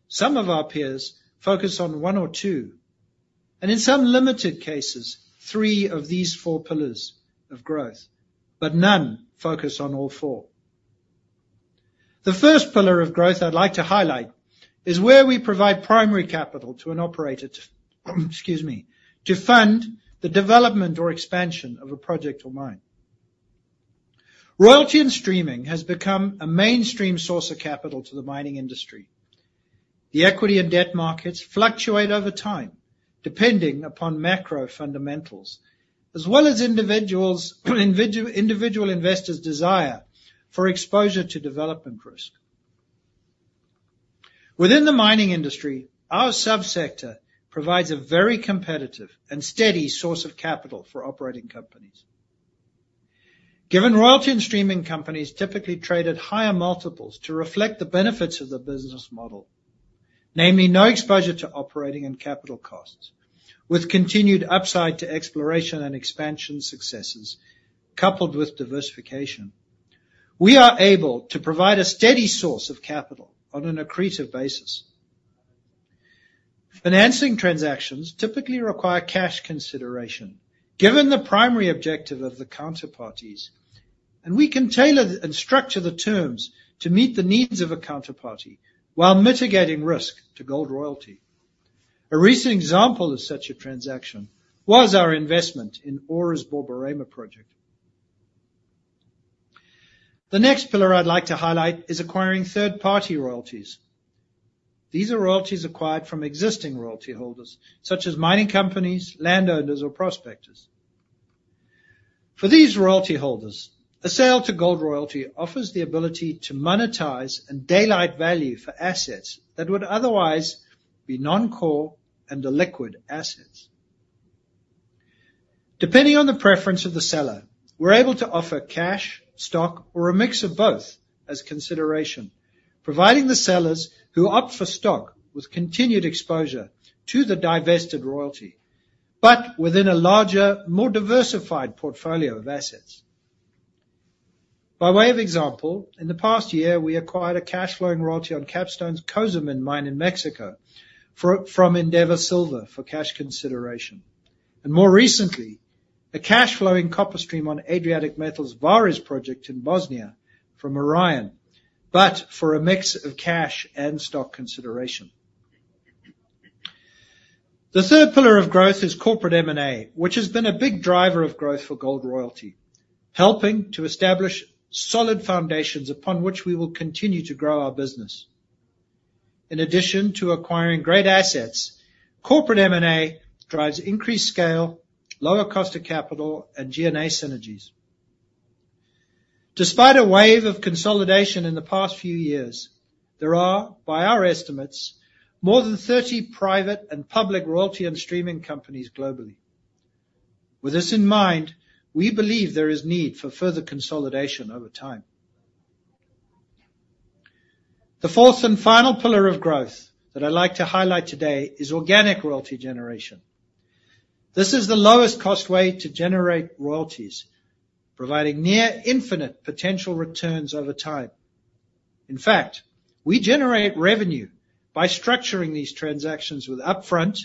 Some of our peers focus on one or two, and in some limited cases, three of these four pillars of growth, but none focus on all four. The first pillar of growth I'd like to highlight is where we provide primary capital to an operator to fund the development or expansion of a project or mine. Royalty and streaming has become a mainstream source of capital to the mining industry. The equity and debt markets fluctuate over time depending upon macro fundamentals, as well as individual investors' desire for exposure to development risk. Within the mining industry, our subsector provides a very competitive and steady source of capital for operating companies. Given royalty and streaming companies typically trade at higher multiples to reflect the benefits of the business model, namely no exposure to operating and capital costs, with continued upside to exploration and expansion successes coupled with diversification, we are able to provide a steady source of capital on an accretive basis. Financing transactions typically require cash consideration given the primary objective of the counterparties, and we can tailor and structure the terms to meet the needs of a counterparty while mitigating risk to Gold Royalty. A recent example of such a transaction was our investment in Ora's Borborema project. The next pillar I'd like to highlight is acquiring third-party royalties. These are royalties acquired from existing royalty holders, such as mining companies, landowners, or prospectors. For these royalty holders, a sale to Gold Royalty offers the ability to monetize and daylight value for assets that would otherwise be non-core and illiquid assets. Depending on the preference of the seller, we're able to offer cash, stock, or a mix of both as consideration, providing the sellers who opt for stock with continued exposure to the divested royalty, but within a larger, more diversified portfolio of assets. By way of example, in the past year, we acquired a cash-flowing royalty on Capstone's Cozamin mine in Mexico from Endeavor Silver for cash consideration. More recently, a cash-flowing copper stream on Adriatic Metals' Vares project in Bosnia from Orion, but for a mix of cash and stock consideration. The third pillar of growth is corporate M&A, which has been a big driver of growth for Gold Royalty, helping to establish solid foundations upon which we will continue to grow our business. In addition to acquiring great assets, corporate M&A drives increased scale, lower cost of capital, and G&A synergies. Despite a wave of consolidation in the past few years, there are, by our estimates, more than 30 private and public royalty and streaming companies globally. With this in mind, we believe there is need for further consolidation over time. The fourth and final pillar of growth that I'd like to highlight today is organic royalty generation. This is the lowest-cost way to generate royalties, providing near-infinite potential returns over time. In fact, we generate revenue by structuring these transactions with upfront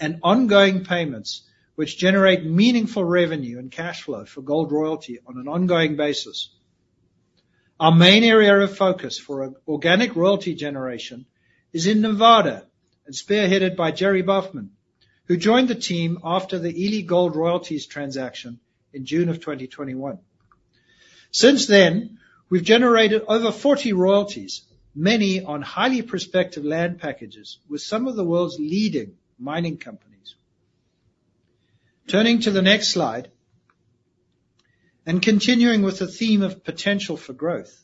and ongoing payments, which generate meaningful revenue and cash flow for Gold Royalty on an ongoing basis. Our main area of focus for organic royalty generation is in Nevada and spearheaded by Jerry Baughman, who joined the team after the Ely Gold Royalties' transaction in June of 2021. Since then, we've generated over 40 royalties, many on highly prospective land packages with some of the world's leading mining companies. Turning to the next slide and continuing with the theme of potential for growth,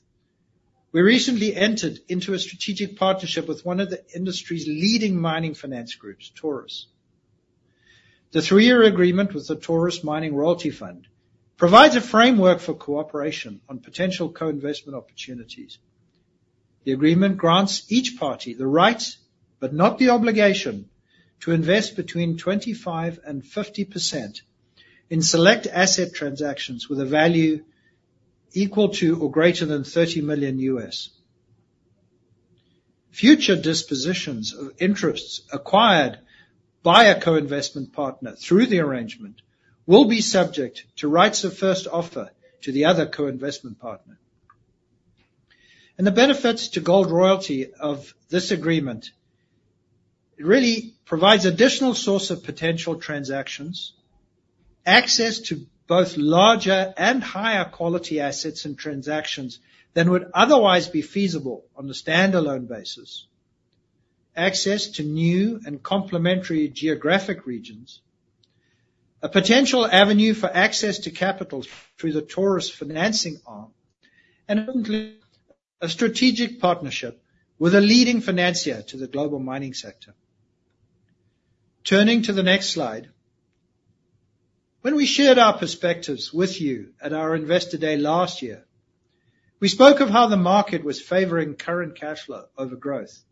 we recently entered into a strategic partnership with one of the industry's leading mining finance groups, Taurus. The three-year agreement with the Taurus Mining Royalty Fund provides a framework for cooperation on potential co-investment opportunities. The agreement grants each party the right, but not the obligation, to invest between 25%-50% in select asset transactions with a value equal to or greater than $30 million. Future dispositions of interests acquired by a co-investment partner through the arrangement will be subject to rights of first offer to the other co-investment partner. The benefits to Gold Royalty of this agreement really provide additional sources of potential transactions, access to both larger and higher-quality assets and transactions than would otherwise be feasible on a standalone basis, access to new and complementary geographic regions, a potential avenue for access to capital through the Taurus financing arm, and ultimately a strategic partnership with a leading financier to the global mining sector. Turning to the next slide, when we shared our perspectives with you at our investor day last year, we spoke of how the market was favoring current cash flow over growth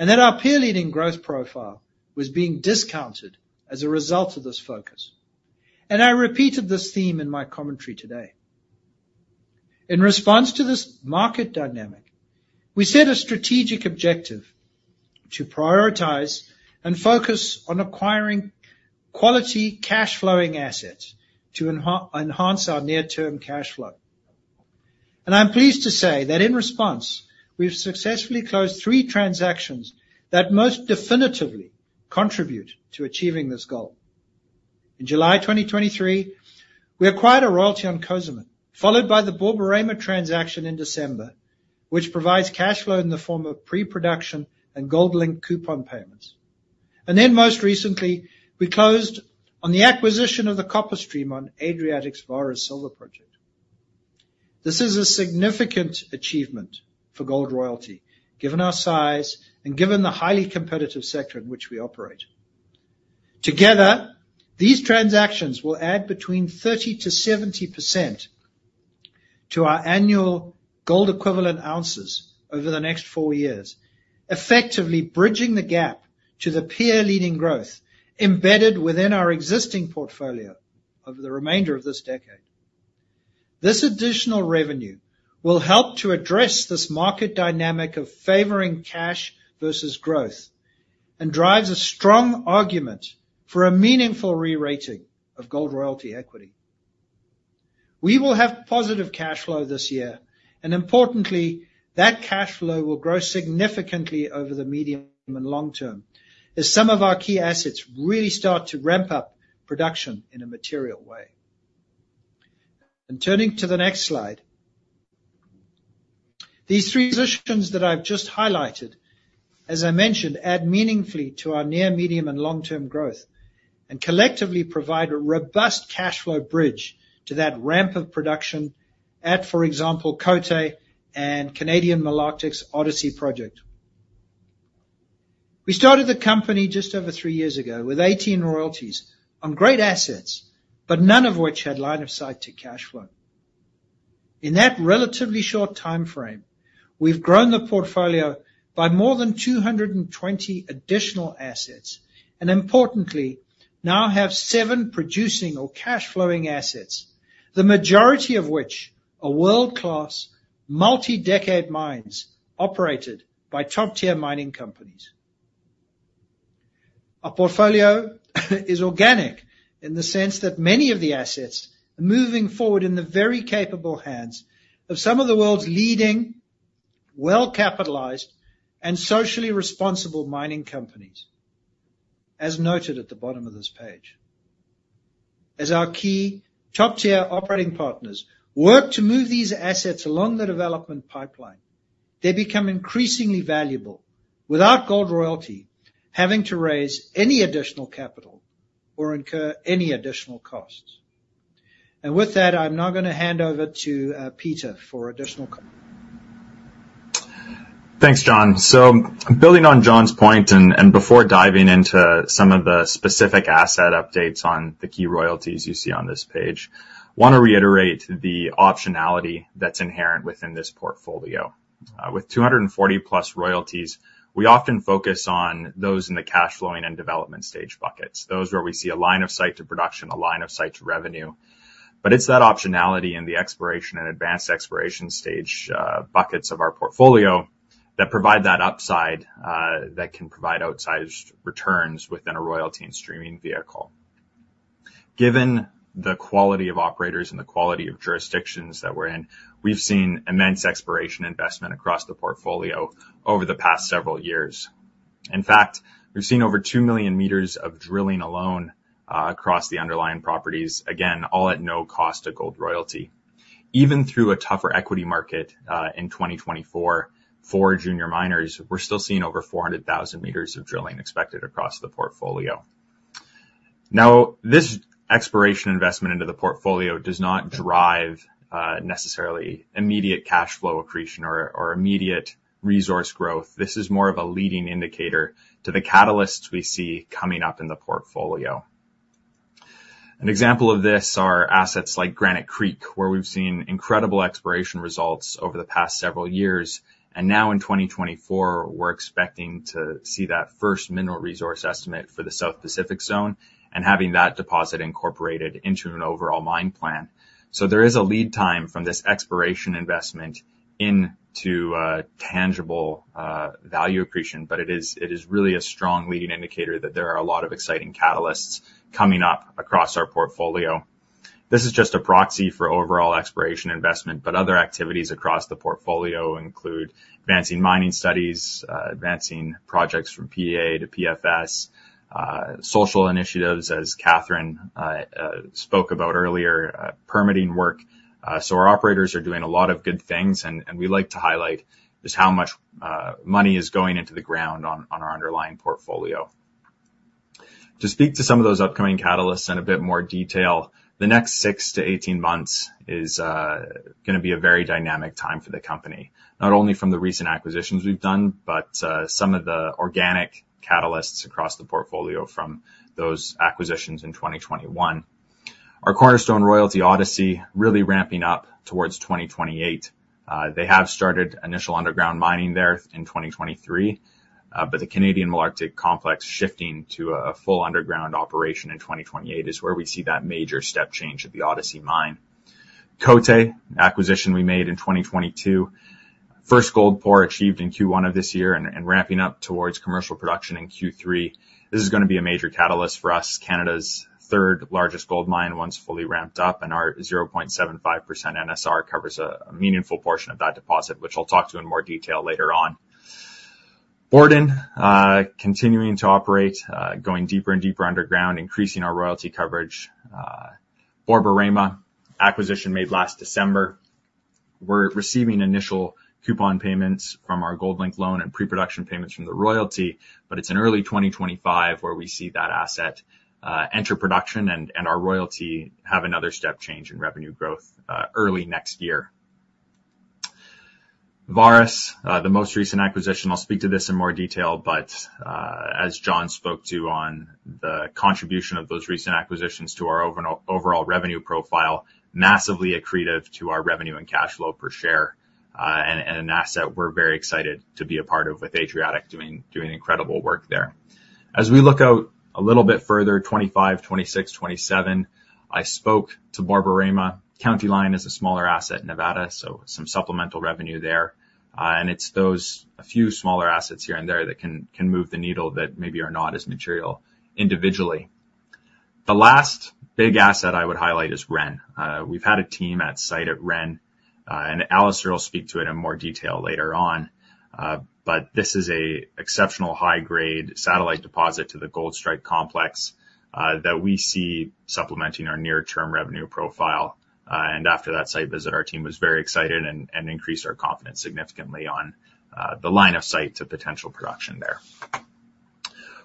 and that our peer-leading growth profile was being discounted as a result of this focus. I repeated this theme in my commentary today. In response to this market dynamic, we set a strategic objective to prioritize and focus on acquiring quality cash-flowing assets to enhance our near-term cash flow. I'm pleased to say that in response, we've successfully closed three transactions that most definitively contribute to achieving this goal. In July 2023, we acquired a royalty on Cozamin, followed by the Borborema transaction in December, which provides cash flow in the form of pre-production and gold-linked coupon payments. Then most recently, we closed on the acquisition of the copper stream on Adriatic Metals' Vares silver project. This is a significant achievement for Gold Royalty, given our size and given the highly competitive sector in which we operate. Together, these transactions will add between 30%-70% to our annual gold-equivalent ounces over the next four years, effectively bridging the gap to the peer-leading growth embedded within our existing portfolio over the remainder of this decade. This additional revenue will help to address this market dynamic of favoring cash versus growth and drives a strong argument for a meaningful re-rating of Gold Royalty equity. We will have positive cash flow this year, and importantly, that cash flow will grow significantly over the medium and long term as some of our key assets really start to ramp up production in a material way. Turning to the next slide, these three positions that I've just highlighted, as I mentioned, add meaningfully to our near-medium and long-term growth and collectively provide a robust cash flow bridge to that ramp of production at, for example, Côté and Canadian Malartic Odyssey project. We started the company just over three years ago with 18 royalties on great assets, but none of which had line of sight to cash flow. In that relatively short time frame, we've grown the portfolio by more than 220 additional assets and, importantly, now have seven producing or cash-flowing assets, the majority of which are world-class multi-decade mines operated by top-tier mining companies. Our portfolio is organic in the sense that many of the assets are moving forward in the very capable hands of some of the world's leading, well-capitalized, and socially responsible mining companies, as noted at the bottom of this page. As our key top-tier operating partners work to move these assets along the development pipeline, they become increasingly valuable without Gold Royalty having to raise any additional capital or incur any additional costs. And with that, I'm now going to hand over to Peter for additional comments. Thanks, John. So building on John's point and before diving into some of the specific asset updates on the key royalties you see on this page, I want to reiterate the optionality that's inherent within this portfolio. With 240+ royalties, we often focus on those in the cash-flowing and development stage buckets, those where we see a line of sight to production, a line of sight to revenue. But it's that optionality in the exploration and advanced exploration stage buckets of our portfolio that provide that upside that can provide outsized returns within a royalty and streaming vehicle. Given the quality of operators and the quality of jurisdictions that we're in, we've seen immense exploration investment across the portfolio over the past several years. In fact, we've seen over 2 million meters of drilling alone across the underlying properties, again, all at no cost to Gold Royalty. Even through a tougher equity market in 2024 for junior miners, we're still seeing over 400,000 meters of drilling expected across the portfolio. Now, this exploration investment into the portfolio does not drive necessarily immediate cash flow accretion or immediate resource growth. This is more of a leading indicator to the catalysts we see coming up in the portfolio. An example of this are assets like Granite Creek, where we've seen incredible exploration results over the past several years. Now in 2024, we're expecting to see that first mineral resource estimate for the South Pacific Zone and having that deposit incorporated into an overall mine plan. So there is a lead time from this exploration investment into tangible value accretion, but it is really a strong leading indicator that there are a lot of exciting catalysts coming up across our portfolio. This is just a proxy for overall exploration investment, but other activities across the portfolio include advancing mining studies, advancing projects from PEA to PFS, social initiatives, as Katherine spoke about earlier, permitting work. So our operators are doing a lot of good things, and we like to highlight just how much money is going into the ground on our underlying portfolio. To speak to some of those upcoming catalysts in a bit more detail, the next 6-18 months is going to be a very dynamic time for the company, not only from the recent acquisitions we've done, but some of the organic catalysts across the portfolio from those acquisitions in 2021. Our Cornerstone Royalty Odyssey is really ramping up towards 2028. They have started initial underground mining there in 2023, but the Canadian Malartic Complex shifting to a full underground operation in 2028 is where we see that major step change at the Odyssey mine. Côté, an acquisition we made in 2022, first gold pour achieved in Q1 of this year and ramping up towards commercial production in Q3. This is going to be a major catalyst for us. Canada's third largest gold mine once fully ramped up, and our 0.75% NSR covers a meaningful portion of that deposit, which I'll talk to in more detail later on. Borden, continuing to operate, going deeper and deeper underground, increasing our royalty coverage. Borborema, acquisition made last December. We're receiving initial coupon payments from our gold-linked loan and pre-production payments from the royalty, but it's in early 2025 where we see that asset enter production and our royalty have another step change in revenue growth early next year. Vares, the most recent acquisition, I'll speak to this in more detail, but as John spoke to on the contribution of those recent acquisitions to our overall revenue profile, massively accretive to our revenue and cash flow per share and an asset we're very excited to be a part of with Adriatic doing incredible work there. As we look out a little bit further, 2025, 2026, 2027, I spoke to Borborema. County Line is a smaller asset in Nevada, so some supplemental revenue there. It's those a few smaller assets here and there that can move the needle that maybe are not as material individually. The last big asset I would highlight is Ren. We've had a team at site at Ren, and Alastair will speak to it in more detail later on. This is an exceptional high-grade satellite deposit to the Gold Strike complex that we see supplementing our near-term revenue profile. After that site visit, our team was very excited and increased our confidence significantly on the line of sight to potential production there.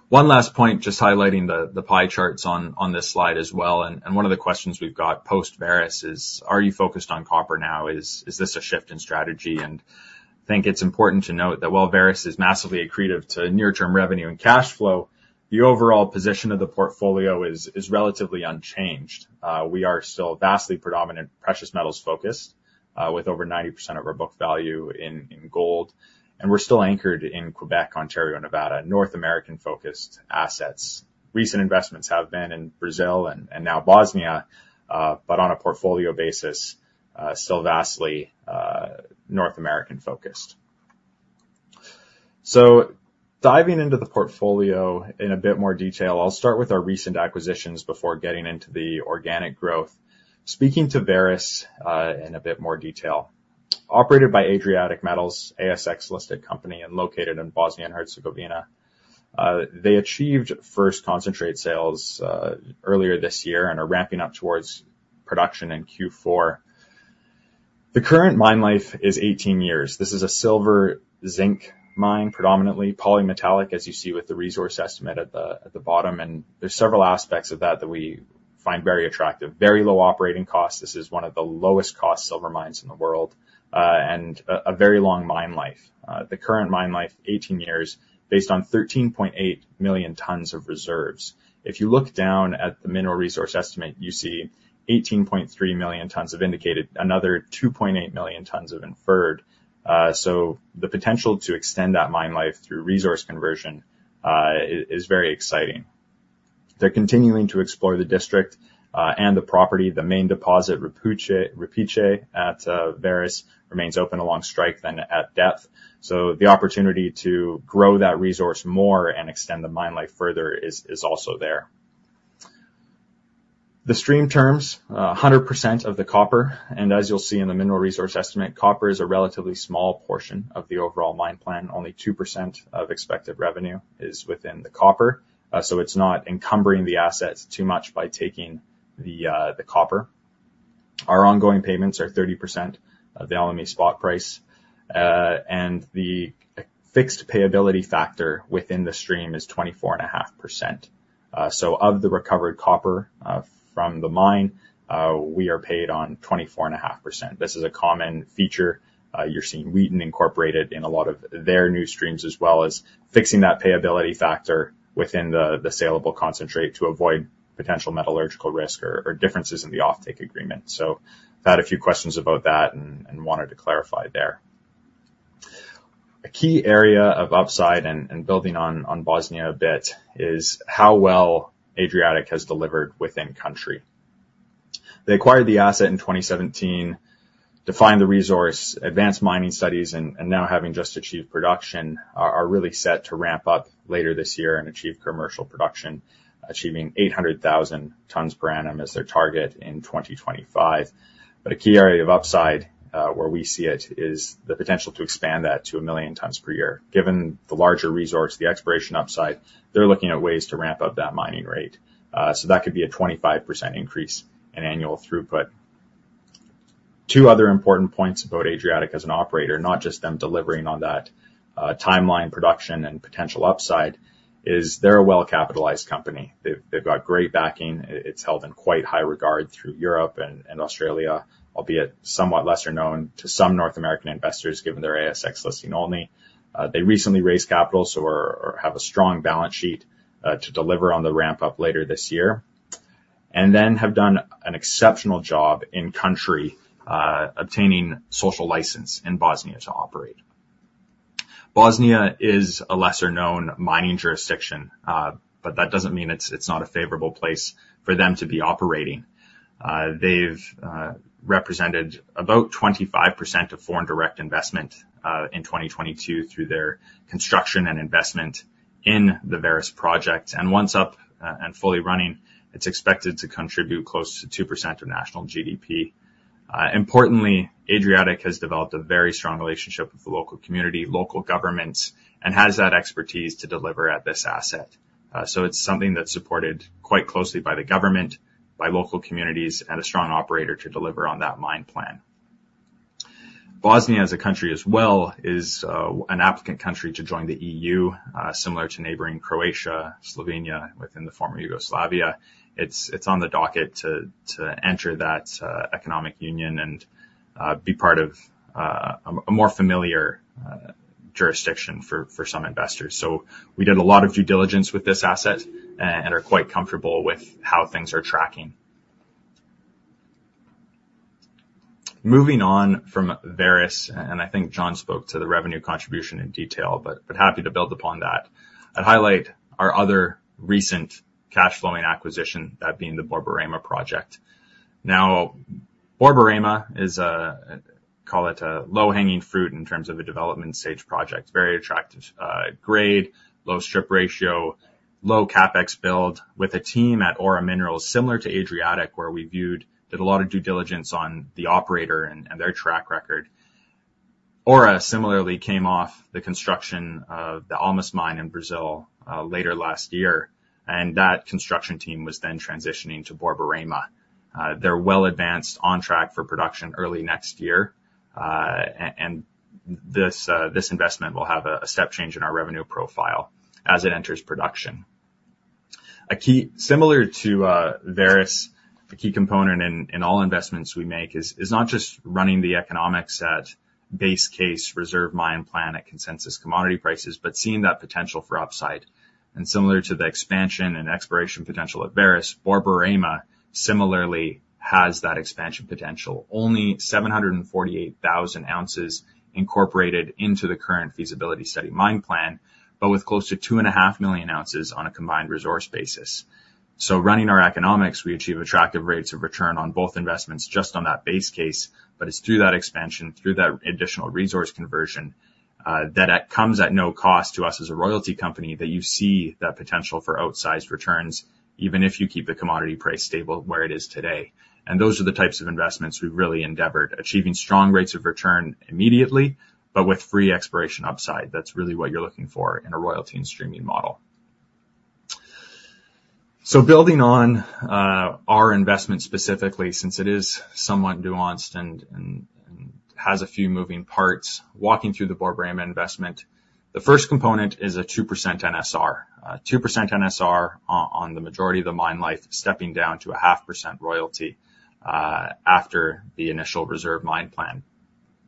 One last point, just highlighting the pie charts on this slide as well. One of the questions we've got post-Vares is, are you focused on copper now? Is this a shift in strategy? I think it's important to note that while Vares is massively accretive to near-term revenue and cash flow, the overall position of the portfolio is relatively unchanged. We are still vastly predominant precious metals focused with over 90% of our book value in gold. We're still anchored in Quebec, Ontario, Nevada, North American-focused assets. Recent investments have been in Brazil and now Bosnia, but on a portfolio basis, still vastly North American-focused. Diving into the portfolio in a bit more detail, I'll start with our recent acquisitions before getting into the organic growth. Speaking to Vares in a bit more detail, operated by Adriatic Metals, ASX-listed company and located in Bosnia and Herzegovina. They achieved first concentrate sales earlier this year and are ramping up towards production in Q4. The current mine life is 18 years. This is a silver zinc mine predominantly, polymetallic, as you see with the resource estimate at the bottom. There's several aspects of that that we find very attractive. Very low operating costs. This is one of the lowest-cost silver mines in the world and a very long mine life. The current mine life, 18 years, based on 13.8 million tons of reserves. If you look down at the mineral resource estimate, you see 18.3 million tons of indicated, another 2.8 million tons of inferred. So the potential to extend that mine life through resource conversion is very exciting. They're continuing to explore the district and the property. The main deposit, Rupice at Vares, remains open along strike then at depth. The opportunity to grow that resource more and extend the mine life further is also there. The stream terms, 100% of the copper. As you'll see in the mineral resource estimate, copper is a relatively small portion of the overall mine plan. Only 2% of expected revenue is within the copper. It's not encumbering the assets too much by taking the copper. Our ongoing payments are 30% of the LME spot price. The fixed payability factor within the stream is 24.5%. Of the recovered copper from the mine, we are paid on 24.5%. This is a common feature. You're seeing Wheaton Incorporated in a lot of their new streams, as well as fixing that payability factor within the saleable concentrate to avoid potential metallurgical risk or differences in the offtake agreement. I've had a few questions about that and wanted to clarify there. A key area of upside and building on Bosnia a bit is how well Adriatic has delivered within country. They acquired the asset in 2017, defined the resource, advanced mining studies, and now having just achieved production are really set to ramp up later this year and achieve commercial production, achieving 800,000 tons per annum as their target in 2025. But a key area of upside where we see it is the potential to expand that to 1 million tons per year. Given the larger resource, the exploration upside, they're looking at ways to ramp up that mining rate. So that could be a 25% increase in annual throughput. Two other important points about Adriatic as an operator, not just them delivering on that timeline production and potential upside, is they're a well-capitalized company. They've got great backing. It's held in quite high regard through Europe and Australia, albeit somewhat lesser known to some North American investors given their ASX listing only. They recently raised capital, so have a strong balance sheet to deliver on the ramp-up later this year. And then have done an exceptional job in country obtaining social license in Bosnia to operate. Bosnia is a lesser-known mining jurisdiction, but that doesn't mean it's not a favorable place for them to be operating. They've represented about 25% of foreign direct investment in 2022 through their construction and investment in the Vares project. And once up and fully running, it's expected to contribute close to 2% of national GDP. Importantly, Adriatic has developed a very strong relationship with the local community, local governments, and has that expertise to deliver at this asset. So it's something that's supported quite closely by the government, by local communities, and a strong operator to deliver on that mine plan. Bosnia, as a country as well, is an applicant country to join the EU, similar to neighboring Croatia, Slovenia, within the former Yugoslavia. It's on the docket to enter that economic union and be part of a more familiar jurisdiction for some investors. So we did a lot of due diligence with this asset and are quite comfortable with how things are tracking. Moving on from Vares, and I think John spoke to the revenue contribution in detail, but happy to build upon that. I'd highlight our other recent cash-flowing acquisition, that being the Borborema project. Now, Borborema is, call it a low-hanging fruit in terms of a development stage project. Very attractive grade, low strip ratio, low CapEx build with a team at Ora Minerals, similar to Adriatic, where we did a lot of due diligence on the operator and their track record. Ora similarly came off the construction of the Almas mine in Brazil late last year. That construction team was then transitioning to Borborema. They're well advanced on track for production early next year. This investment will have a step change in our revenue profile as it enters production. Similar to Vares, the key component in all investments we make is not just running the economics at base case reserve mine plan at consensus commodity prices, but seeing that potential for upside. Similar to the expansion and exploration potential at Vares, Borborema similarly has that expansion potential. Only 748,000 ounces incorporated into the current feasibility study mine plan, but with close to 2.5 million ounces on a combined resource basis. So running our economics, we achieve attractive rates of return on both investments just on that base case. But it's through that expansion, through that additional resource conversion that comes at no cost to us as a royalty company that you see that potential for outsized returns, even if you keep the commodity price stable where it is today. And those are the types of investments we've really endeavored, achieving strong rates of return immediately, but with free exploration upside. That's really what you're looking for in a royalty and streaming model. So building on our investment specifically, since it is somewhat nuanced and has a few moving parts, walking through the Borborema investment, the first component is a 2% NSR. 2% NSR on the majority of the mine life, stepping down to a 0.5% royalty after the initial reserve mine plan.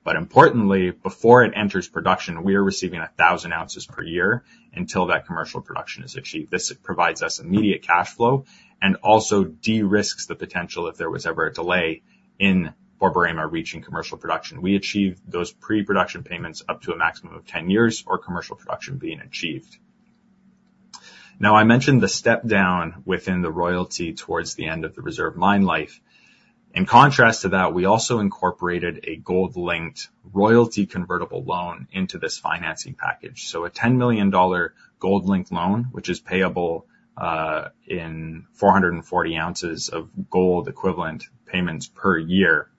But importantly, before it enters production, we are receiving 1,000 ounces per year until that commercial production is achieved. This provides us immediate cash flow and also de-risks the potential if there was ever a delay in Borborema reaching commercial production. We achieve those pre-production payments up to a maximum of 10 years or commercial production being achieved. Now, I mentioned the step down within the royalty towards the end of the reserve mine life. In contrast to that, we also incorporated a Gold Linked Royalty Convertible Loan into this financing package. So a $10 million Gold-Linked Loan, which is payable in 440 ounces of gold equivalent payments per year,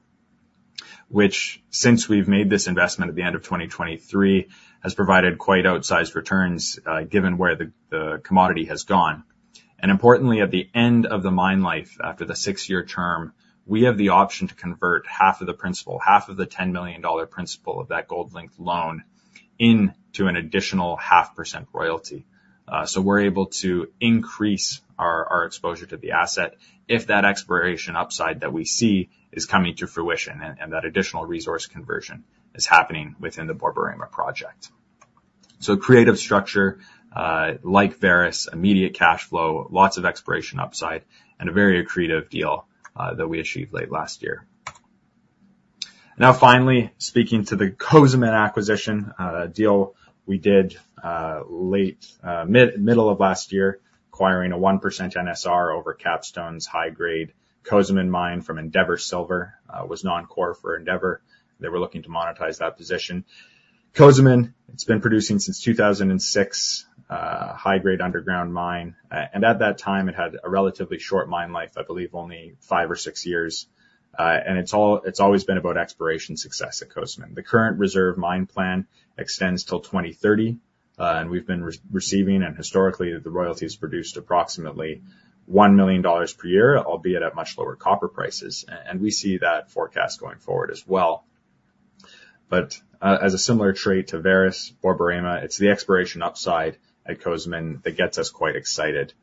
which since we've made this investment at the end of 2023, has provided quite outsized returns given where the commodity has gone. And importantly, at the end of the mine life, after the six-year term, we have the option to convert half of the principal, half of the $10 million principal of that Gold-Linked Loan into an additional 0.5% royalty. So we're able to increase our exposure to the asset if that exploration upside that we see is coming to fruition and that additional resource conversion is happening within the Borborema Project. So creative structure like Vares, immediate cash flow, lots of exploration upside, and a very accretive deal that we achieved late last year. Now, finally, speaking to the Cozamin acquisition deal we did late middle of last year, acquiring a 1% NSR over Capstone's high-grade Cozamin mine from Endeavor Silver. It was non-core for Endeavor. They were looking to monetize that position. Cozamin, it's been producing since 2006, high-grade underground mine. And at that time, it had a relatively short mine life, I believe only five or six years. And it's always been about exploration success at Cozamin. The current reserve mine plan extends till 2030. And we've been receiving, and historically, the royalty has produced approximately $1 million per year, albeit at much lower copper prices. And we see that forecast going forward as well. But as a similar trait to Vares, Borborema, it's the exploration upside at Cozamin that gets us quite excited.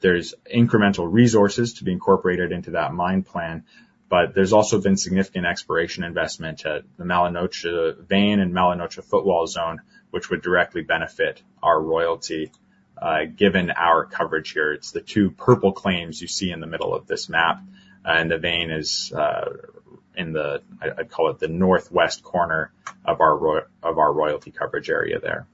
There's incremental resources to be incorporated into that mine plan, but there's also been significant exploration investment at the Mala Noche vein and Mala Noche footwall zone, which would directly benefit our royalty given our coverage here. It's the two purple claims you see in the middle of this map. And the vein is in the, I'd call it the northwest corner of our royalty coverage area there.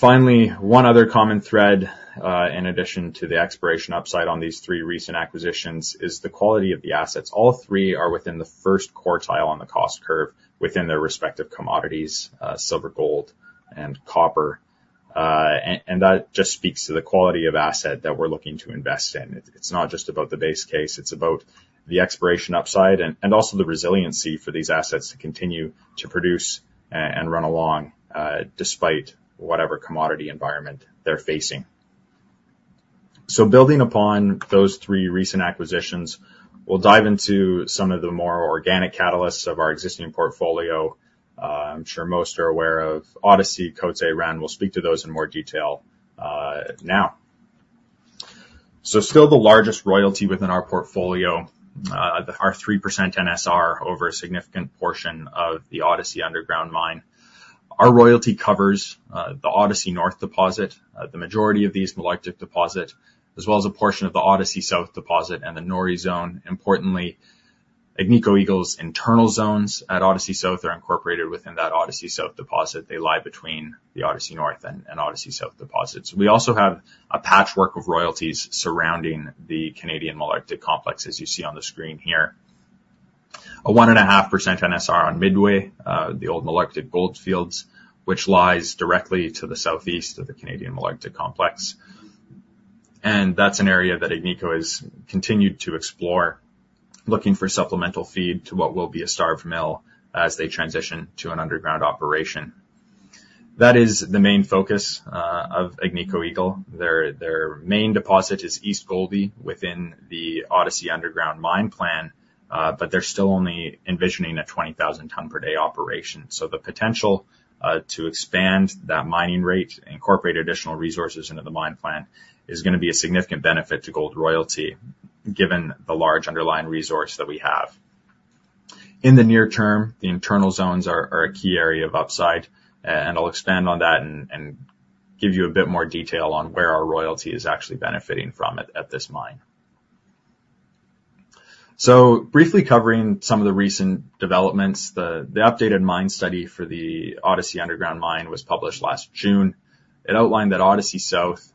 Finally, one other common thread in addition to the exploration upside on these three recent acquisitions is the quality of the assets. All three are within the first quartile on the cost curve within their respective commodities, silver, gold, and copper. And that just speaks to the quality of asset that we're looking to invest in. It's not just about the base case. It's about the expiration upside and also the resiliency for these assets to continue to produce and run along despite whatever commodity environment they're facing. Building upon those three recent acquisitions, we'll dive into some of the more organic catalysts of our existing portfolio. I'm sure most are aware of Odyssey, Côté, Ren. We'll speak to those in more detail now. Still the largest royalty within our portfolio, our 3% NSR over a significant portion of the Odyssey underground mine. Our royalty covers the Odyssey North deposit, the majority of the East Malartic deposit, as well as a portion of the Odyssey South deposit and the Nori Zone. Importantly, Agnico Eagle's internal zones at Odyssey South are incorporated within that Odyssey South deposit. They lie between the Odyssey North and Odyssey South deposits. We also have a patchwork of royalties surrounding the Canadian Malartic Complex, as you see on the screen here. A 1.5% NSR on Midway, the old Malartic goldfields, which lies directly to the southeast of the Canadian Malartic Complex. That's an area that Agnico has continued to explore, looking for supplemental feed to what will be a starved mill as they transition to an underground operation. That is the main focus of Agnico Eagle. Their main deposit is East Goldie within the Odyssey underground mine plan, but they're still only envisioning a 20,000-ton-per-day operation. The potential to expand that mining rate, incorporate additional resources into the mine plan, is going to be a significant benefit to Gold Royalty given the large underlying resource that we have. In the near term, the Nori zones are a key area of upside. I'll expand on that and give you a bit more detail on where our royalty is actually benefiting from it at this mine. Briefly covering some of the recent developments, the updated mine study for the Odyssey underground mine was published last June. It outlined that Odyssey South,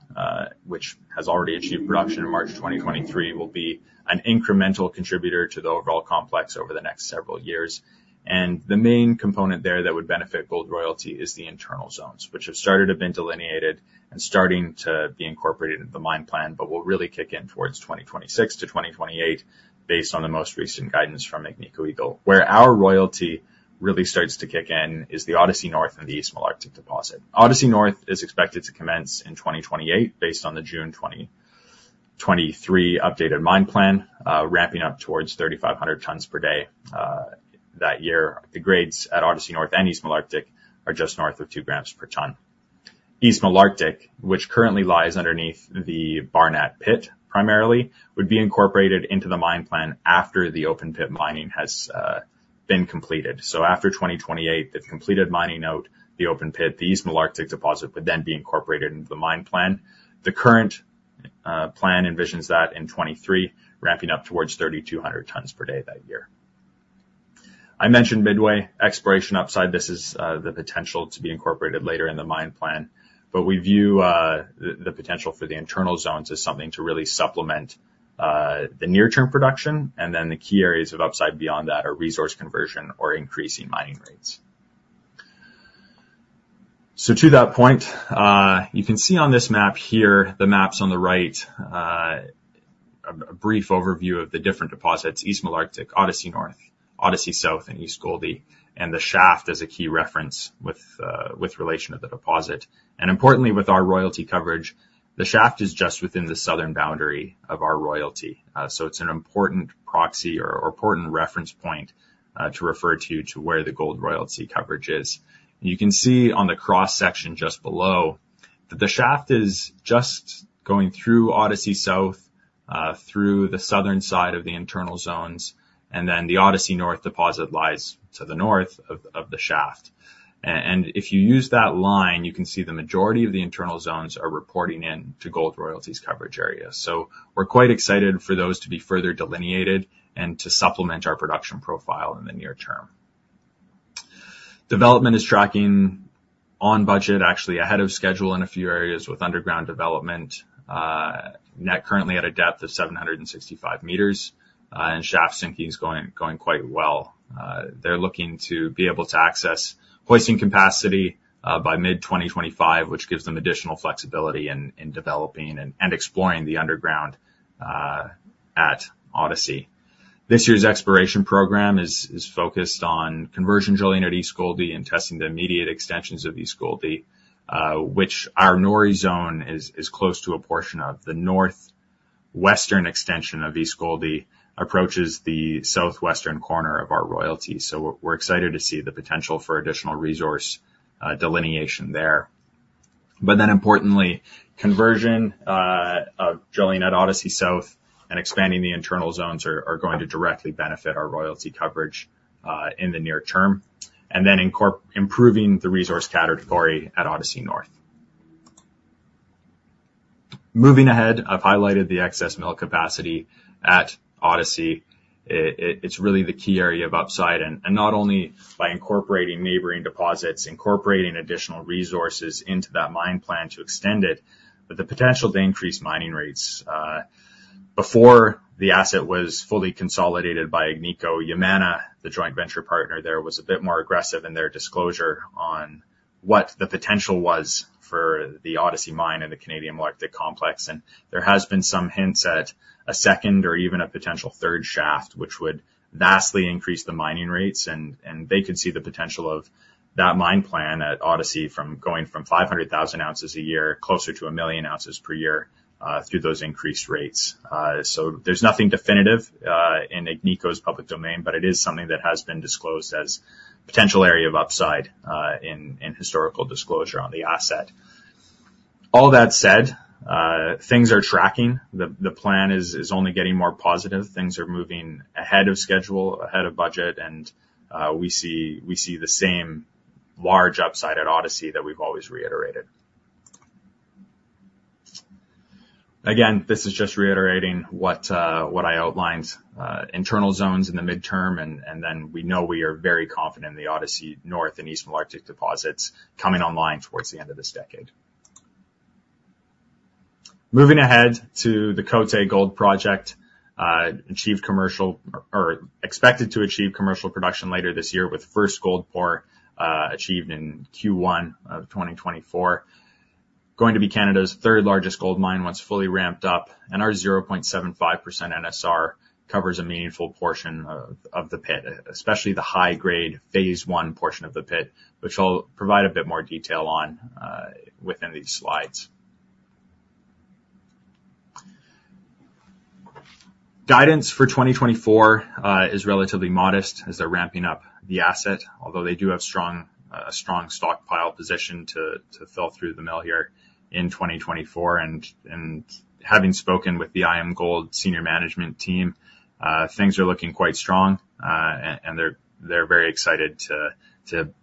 which has already achieved production in March 2023, will be an incremental contributor to the overall complex over the next several years. The main component there that would benefit Gold Royalty is the internal zones, which have started to have been delineated and starting to be incorporated into the mine plan, but will really kick in towards 2026-2028 based on the most recent guidance from Agnico Eagle. Where our royalty really starts to kick in is the Odyssey North and the East Malartic deposit. Odyssey North is expected to commence in 2028 based on the June 2023 updated mine plan, ramping up towards 3,500 tons per day that year. The grades at Odyssey North and East Malartic are just north of 2 grams per ton. East Malartic, which currently lies underneath the Barnat Pit primarily, would be incorporated into the mine plan after the open pit mining has been completed. So after 2028, the completed mining note, the open pit, the East Malartic deposit would then be incorporated into the mine plan. The current plan envisions that in 2023, ramping up towards 3,200 tons per day that year. I mentioned Midway, exploration upside. This is the potential to be incorporated later in the mine plan. But we view the potential for the internal zones as something to really supplement the near-term production. The key areas of upside beyond that are resource conversion or increasing mining rates. So to that point, you can see on this map here, the maps on the right, a brief overview of the different deposits, East Malartic, Odyssey North, Odyssey South, and East Goldie, and the shaft as a key reference with relation to the deposit. Importantly, with our royalty coverage, the shaft is just within the southern boundary of our royalty. It's an important proxy or important reference point to refer to where the gold royalty coverage is. You can see on the cross section just below that the shaft is just going through Odyssey South, through the southern side of the internal zones, and then the Odyssey North deposit lies to the north of the shaft. If you use that line, you can see the majority of the internal zones are reporting into gold royalties coverage areas. So we're quite excited for those to be further delineated and to supplement our production profile in the near term. Development is tracking on budget, actually ahead of schedule in a few areas with underground development, currently at a depth of 765 meters, and shaft sinking is going quite well. They're looking to be able to access hoisting capacity by mid-2025, which gives them additional flexibility in developing and exploring the underground at Odyssey. This year's exploration program is focused on conversion drilling at East Goldie and testing the immediate extensions of East Goldie, which our Nori Zone is close to a portion of. The northwestern extension of East Goldie approaches the southwestern corner of our royalty. So we're excited to see the potential for additional resource delineation there. But then importantly, conversion of drilling at Odyssey South and expanding the internal zones are going to directly benefit our royalty coverage in the near term, and then improving the resource category at Odyssey North. Moving ahead, I've highlighted the excess mill capacity at Odyssey. It's really the key area of upside. And not only by incorporating neighboring deposits, incorporating additional resources into that mine plan to extend it, but the potential to increase mining rates. Before the asset was fully consolidated by Agnico, Yamana, the joint venture partner there, was a bit more aggressive in their disclosure on what the potential was for the Odyssey mine and the Canadian Malartic Complex. And there has been some hints at a second or even a potential third shaft, which would vastly increase the mining rates. They could see the potential of that mine plan at Odyssey from going from 500,000 ounces a year closer to 1 million ounces per year through those increased rates. So there's nothing definitive in Agnico's public domain, but it is something that has been disclosed as a potential area of upside in historical disclosure on the asset. All that said, things are tracking. The plan is only getting more positive. Things are moving ahead of schedule, ahead of budget. And we see the same large upside at Odyssey that we've always reiterated. Again, this is just reiterating what I outlined, internal zones in the midterm. And then we know we are very confident in the Odyssey North and East Malartic deposits coming online towards the end of this decade. Moving ahead to the Côté Gold Project, achieved commercial or expected to achieve commercial production later this year with first gold pour achieved in Q1 of 2024. Going to be Canada's third largest gold mine once fully ramped up. Our 0.75% NSR covers a meaningful portion of the pit, especially the high-grade phase one portion of the pit, which I'll provide a bit more detail on within these slides. Guidance for 2024 is relatively modest as they're ramping up the asset, although they do have a strong stockpile position to fill through the mill here in 2024. Having spoken with the IAMGOLD senior management team, things are looking quite strong. They're very excited to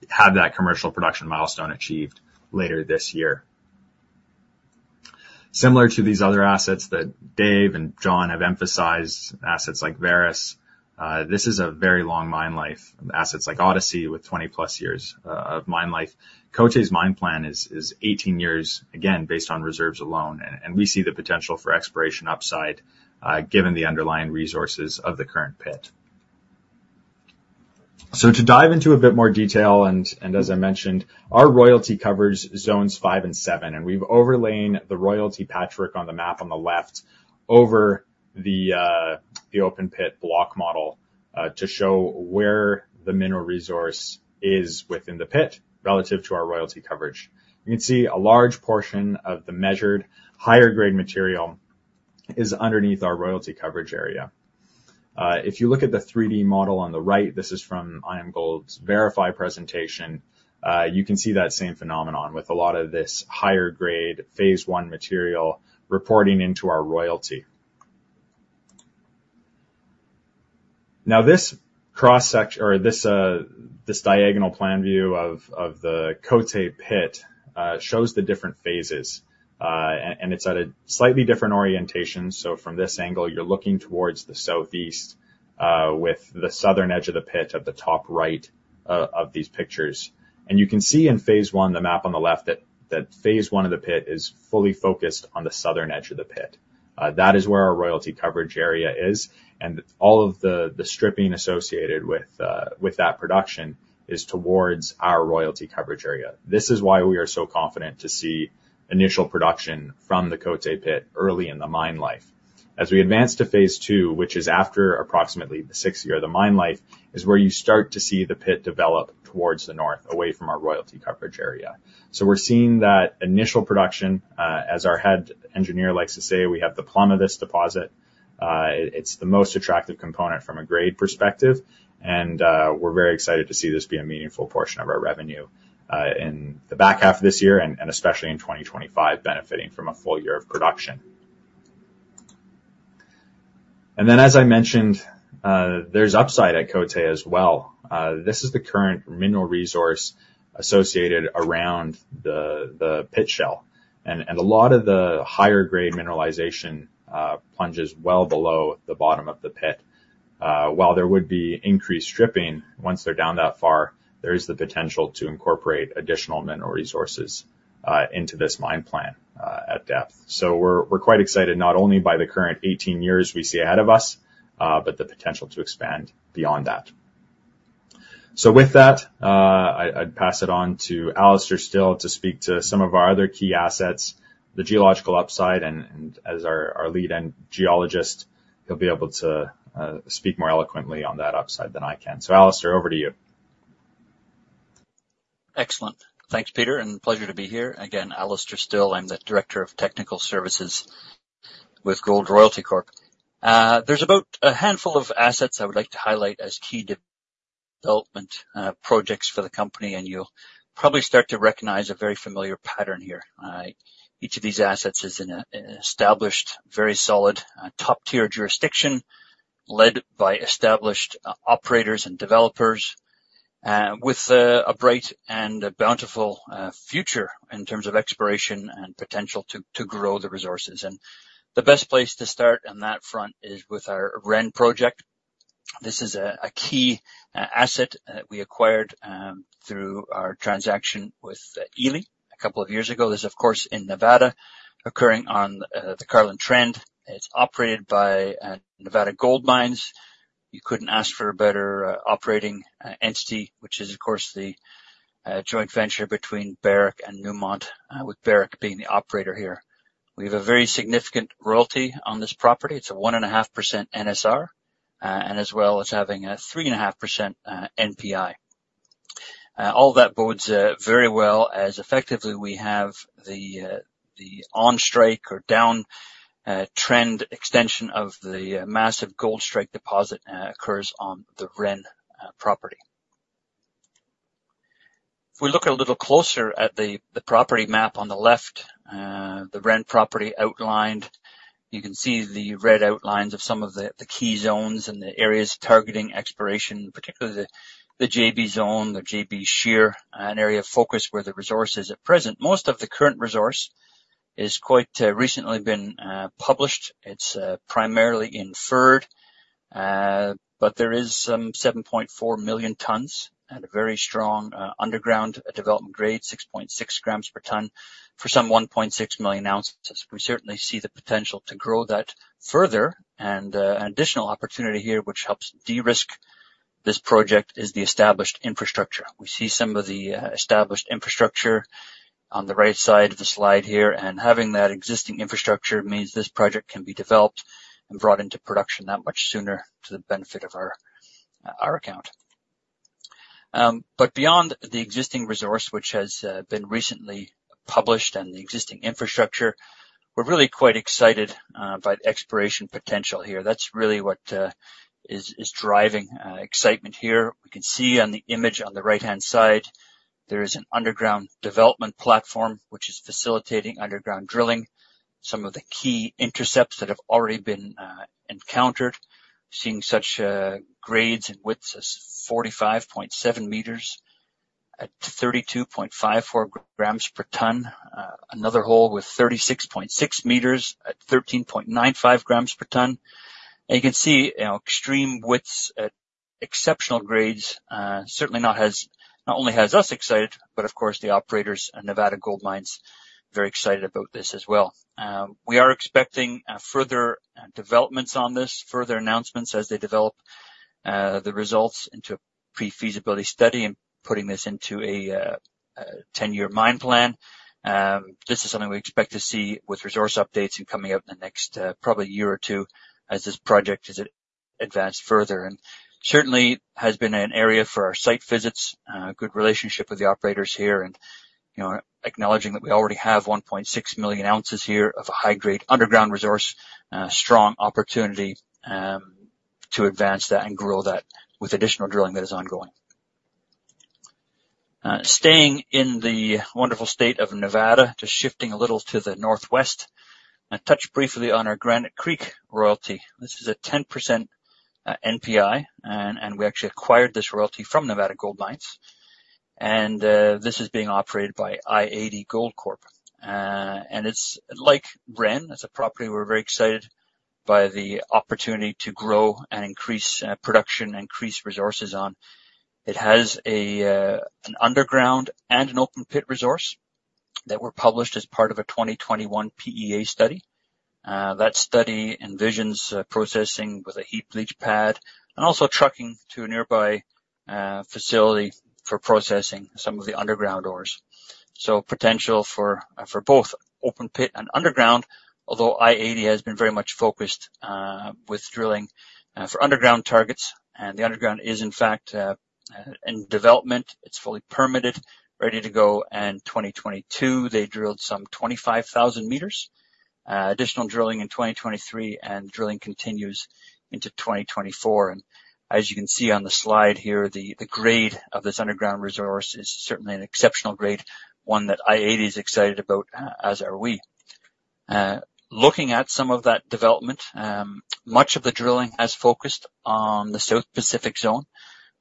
have that commercial production milestone achieved later this year. Similar to these other assets that Dave and John have emphasized, assets like Vares, this is a very long mine life. Assets like Odyssey with 20+ years of mine life. Côté's mine plan is 18 years, again, based on reserves alone. We see the potential for expansion upside given the underlying resources of the current pit. To dive into a bit more detail, and as I mentioned, our royalty covers zones 5 and 7. We've overlaid the royalty footprint on the map on the left over the open pit block model to show where the mineral resource is within the pit relative to our royalty coverage. You can see a large portion of the measured higher-grade material is underneath our royalty coverage area. If you look at the 3D model on the right, this is from IAMGOLD's virtual presentation, you can see that same phenomenon with a lot of this higher-grade phase one material reporting into our royalty. Now, this diagonal plan view of the Côté pit shows the different phases. It's at a slightly different orientation. From this angle, you're looking towards the southeast with the southern edge of the pit at the top right of these pictures. You can see in phase one, the map on the left, that phase one of the pit is fully focused on the southern edge of the pit. That is where our royalty coverage area is. All of the stripping associated with that production is towards our royalty coverage area. This is why we are so confident to see initial production from the Côté pit early in the mine life. As we advance to phase two, which is after approximately the sixth year of the mine life, is where you start to see the pit develop towards the north, away from our royalty coverage area. So we're seeing that initial production, as our head engineer likes to say, we have the plum of this deposit. It's the most attractive component from a grade perspective. And we're very excited to see this be a meaningful portion of our revenue in the back half of this year and especially in 2025, benefiting from a full year of production. And then, as I mentioned, there's upside at Côté as well. This is the current mineral resource associated around the pit shell. And a lot of the higher-grade mineralization plunges well below the bottom of the pit. While there would be increased stripping once they're down that far, there is the potential to incorporate additional mineral resources into this mine plan at depth. So we're quite excited not only by the current 18 years we see ahead of us, but the potential to expand beyond that. So with that, I'd pass it on to Alastair Still to speak to some of our other key assets, the geological upside. And as our lead geologist, he'll be able to speak more eloquently on that upside than I can. So, Alastair, over to you. Excellent. Thanks, Peter. And pleasure to be here. Again, Alastair Still. I'm the Director of Technical Services with Gold Royalty Corp. There's about a handful of assets I would like to highlight as key development projects for the company. And you'll probably start to recognize a very familiar pattern here. Each of these assets is in an established, very solid top-tier jurisdiction led by established operators and developers with a bright and bountiful future in terms of exploration and potential to grow the resources. And the best place to start on that front is with our Ren project. This is a key asset that we acquired through our transaction with Ely a couple of years ago. This is, of course, in Nevada, occurring on the Carlin Trend. It's operated by Nevada Gold Mines. You couldn't ask for a better operating entity, which is, of course, the joint venture between Barrick and Newmont, with Barrick being the operator here. We have a very significant royalty on this property. It's a 1.5% NSR and as well as having a 3.5% NPI. All that bodes very well as effectively we have the on-strike or downtrend extension of the massive Gold Strike deposit occurs on the Ren property. If we look a little closer at the property map on the left, the Ren property outlined, you can see the red outlines of some of the key zones and the areas targeting exploration, particularly the JB Zone, the JB shear, an area of focus where the resource is at present. Most of the current resource has quite recently been published. It's primarily inferred, but there is some 7.4 million tons at a very strong underground development grade, 6.6 grams per ton for some 1.6 million ounces. We certainly see the potential to grow that further. An additional opportunity here, which helps de-risk this project, is the established infrastructure. We see some of the established infrastructure on the right side of the slide here. Having that existing infrastructure means this project can be developed and brought into production that much sooner to the benefit of our account. But beyond the existing resource, which has been recently published and the existing infrastructure, we're really quite excited by the exploration potential here. That's really what is driving excitement here. We can see on the image on the right-hand side, there is an underground development platform, which is facilitating underground drilling, some of the key intercepts that have already been encountered. Seeing such grades and widths as 45.7 meters at 32.54 grams per ton, another hole with 36.6 meters at 13.95 grams per ton. And you can see extreme widths at exceptional grades, certainly not only has us excited, but of course, the operators and Nevada Gold Mines very excited about this as well. We are expecting further developments on this, further announcements as they develop the results into a pre-feasibility study and putting this into a 10-year mine plan. This is something we expect to see with resource updates and coming up in the next probably year or two as this project is advanced further. And certainly has been an area for our site visits, good relationship with the operators here, and acknowledging that we already have 1.6 million ounces here of a high-grade underground resource, strong opportunity to advance that and grow that with additional drilling that is ongoing. Staying in the wonderful state of Nevada, just shifting a little to the northwest, I touched briefly on our Granite Creek royalty. This is a 10% NPI, and we actually acquired this royalty from Nevada Gold Mines. And this is being operated by i-80 Gold Corp. And it's like Ren. It's a property we're very excited by the opportunity to grow and increase production and increase resources on. It has an underground and an open pit resource that were published as part of a 2021 PEA study. That study envisions processing with a heap leach pad and also trucking to a nearby facility for processing some of the underground ores. So potential for both open pit and underground, although i-80 has been very much focused with drilling for underground targets. And the underground is, in fact, in development. It's fully permitted, ready to go. And 2022, they drilled some 25,000 meters. Additional drilling in 2023, and drilling continues into 2024. And as you can see on the slide here, the grade of this underground resource is certainly an exceptional grade, one that i-80 is excited about, as are we. Looking at some of that development, much of the drilling has focused on the South Pacific Zone.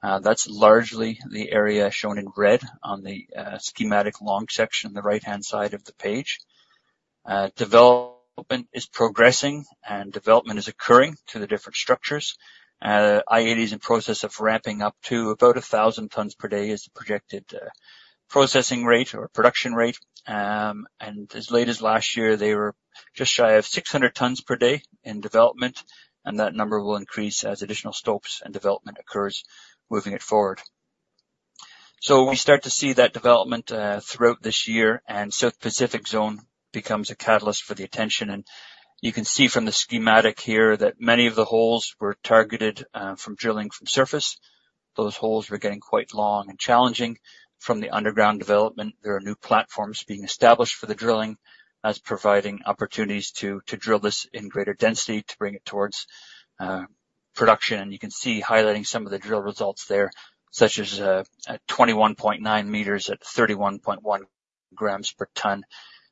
That's largely the area shown in red on the schematic long section on the right-hand side of the page. Development is progressing, and development is occurring to the different structures. i-80 is in process of ramping up to about 1,000 tons per day as the projected processing rate or production rate. And as late as last year, they were just shy of 600 tons per day in development. And that number will increase as additional stopes and development occurs, moving it forward. So we start to see that development throughout this year. And South Pacific Zone becomes a catalyst for the attention. And you can see from the schematic here that many of the holes were targeted from drilling from surface. Those holes were getting quite long and challenging from the underground development. There are new platforms being established for the drilling as providing opportunities to drill this in greater density to bring it towards production. And you can see highlighting some of the drill results there, such as 21.9 meters at 31.1 grams per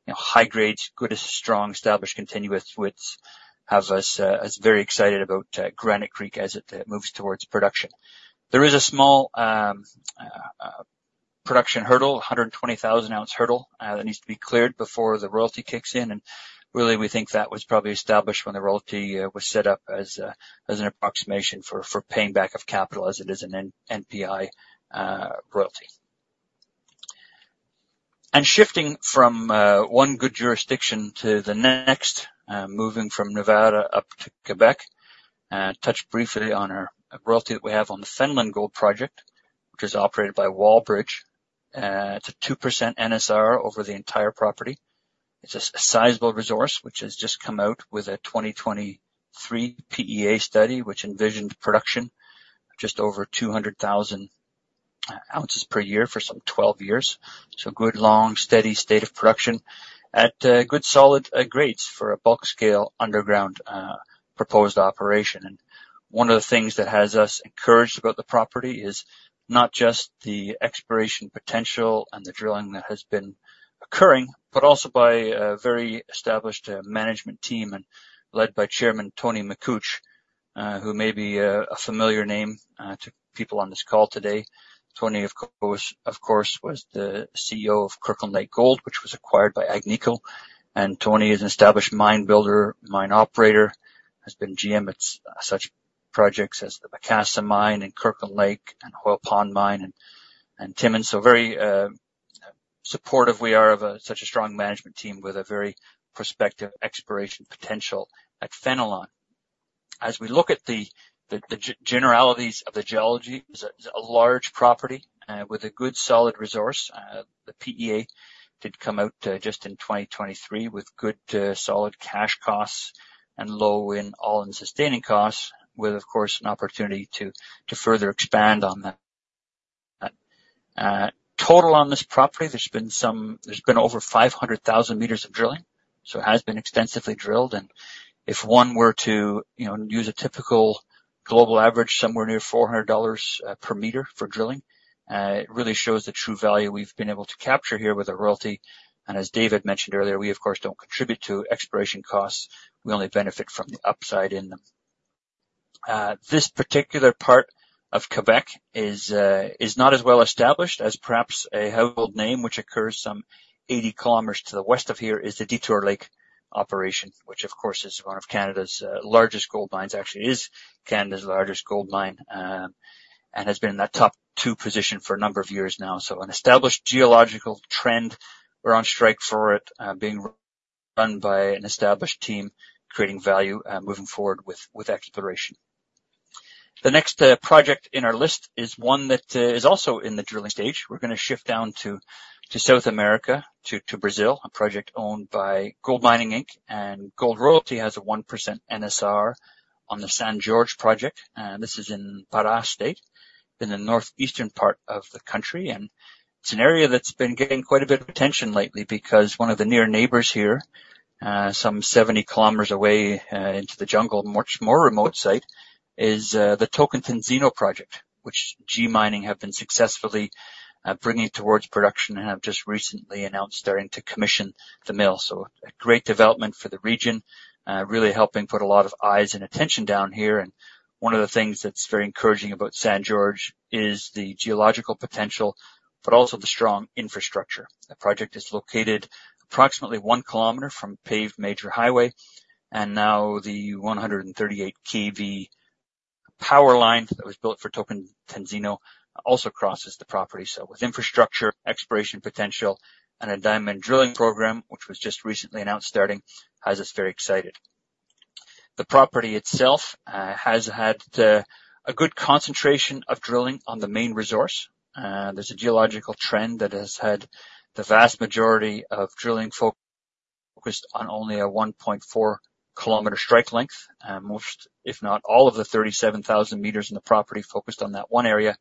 ton. High grades, good, strong, established continuous widths have us very excited about Granite Creek as it moves towards production. There is a small production hurdle, 120,000-ounce hurdle that needs to be cleared before the royalty kicks in. And really, we think that was probably established when the royalty was set up as an approximation for paying back of capital as it is an NPI royalty. And shifting from one good jurisdiction to the next, moving from Nevada up to Quebec, I touched briefly on our royalty that we have on the Fenelon Gold Project, which is operated by Wallbridge. It's a 2% NSR over the entire property. It's a sizable resource, which has just come out with a 2023 PEA study, which envisioned production just over 200,000 ounces per year for some 12 years. So good, long, steady state of production at good, solid grades for a bulk scale underground proposed operation. And one of the things that has us encouraged about the property is not just the exploration potential and the drilling that has been occurring, but also by a very established management team led by Chairman Tony Makuch, who may be a familiar name to people on this call today. Tony, of course, was the CEO of Kirkland Lake Gold, which was acquired by Agnico Eagle. And Tony is an established mine builder, mine operator, has been GM at such projects as the Macassa mine and Kirkland Lake and Hoyle Pond mine and Timmins. So very supportive we are of such a strong management team with a very prospective exploration potential at Fenelon. As we look at the generalities of the geology, it's a large property with a good, solid resource. The PEA did come out just in 2023 with good, solid cash costs and low-end all-in sustaining costs, with, of course, an opportunity to further expand on that. Total on this property, there's been over 500,000 meters of drilling. So it has been extensively drilled. And if one were to use a typical global average, somewhere near $400 per meter for drilling, it really shows the true value we've been able to capture here with a royalty. And as David mentioned earlier, we, of course, don't contribute to exploration costs. We only benefit from the upside in them. This particular part of Quebec is not as well established as perhaps a household name, which occurs some 80 kilometers to the west of here, is the Detour Lake operation, which, of course, is one of Canada's largest gold mines. Actually, it is Canada's largest gold mine and has been in that top two position for a number of years now. So an established geological trend, we're on strike for it, being run by an established team, creating value, moving forward with exploration. The next project in our list is one that is also in the drilling stage. We're going to shift down to South America, to Brazil, a project owned by Gold Mining Inc. Gold Royalty has a 1% NSR on the San Jorge project. This is in Pará State, in the northeastern part of the country. It's an area that's been getting quite a bit of attention lately because one of the near neighbors here, some 70 kilometers away into the jungle, much more remote site, is the Tocantinzinho project, which G Mining Ventures have been successfully bringing towards production and have just recently announced starting to commission the mill. So a great development for the region, really helping put a lot of eyes and attention down here. One of the things that's very encouraging about San Jorge is the geological potential, but also the strong infrastructure. The project is located approximately one kilometer from paved major highway. Now the 138 kV power line that was built for Tocantinzinho also crosses the property. So with infrastructure, exploration potential, and a diamond drilling program, which was just recently announced starting, has us very excited. The property itself has had a good concentration of drilling on the main resource. There's a geological trend that has had the vast majority of drilling focused on only a 1.4-kilometer strike length, most, if not all of the 37,000 meters in the property focused on that one area,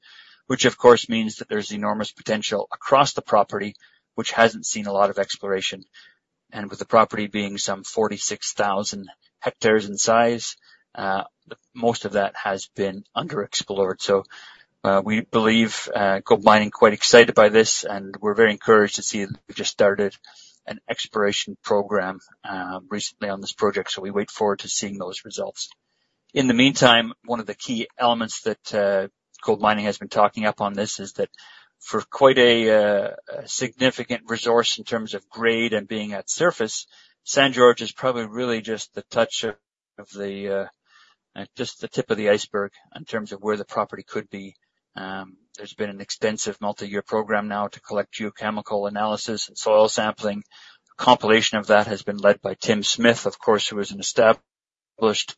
which, of course, means that there's enormous potential across the property, which hasn't seen a lot of exploration. And with the property being some 46,000 hectares in size, most of that has been underexplored. So we believe GoldMining is quite excited by this, and we're very encouraged to see that we just started an exploration program recently on this project. So we look forward to seeing those results. In the meantime, one of the key elements that Gold Mining has been talking up on this is that for quite a significant resource in terms of grade and being at surface, San Jorge is probably really just the touch of just the tip of the iceberg in terms of where the property could be. There's been an extensive multi-year program now to collect geochemical analysis and soil sampling. Compilation of that has been led by Tim Smith, of course, who is an established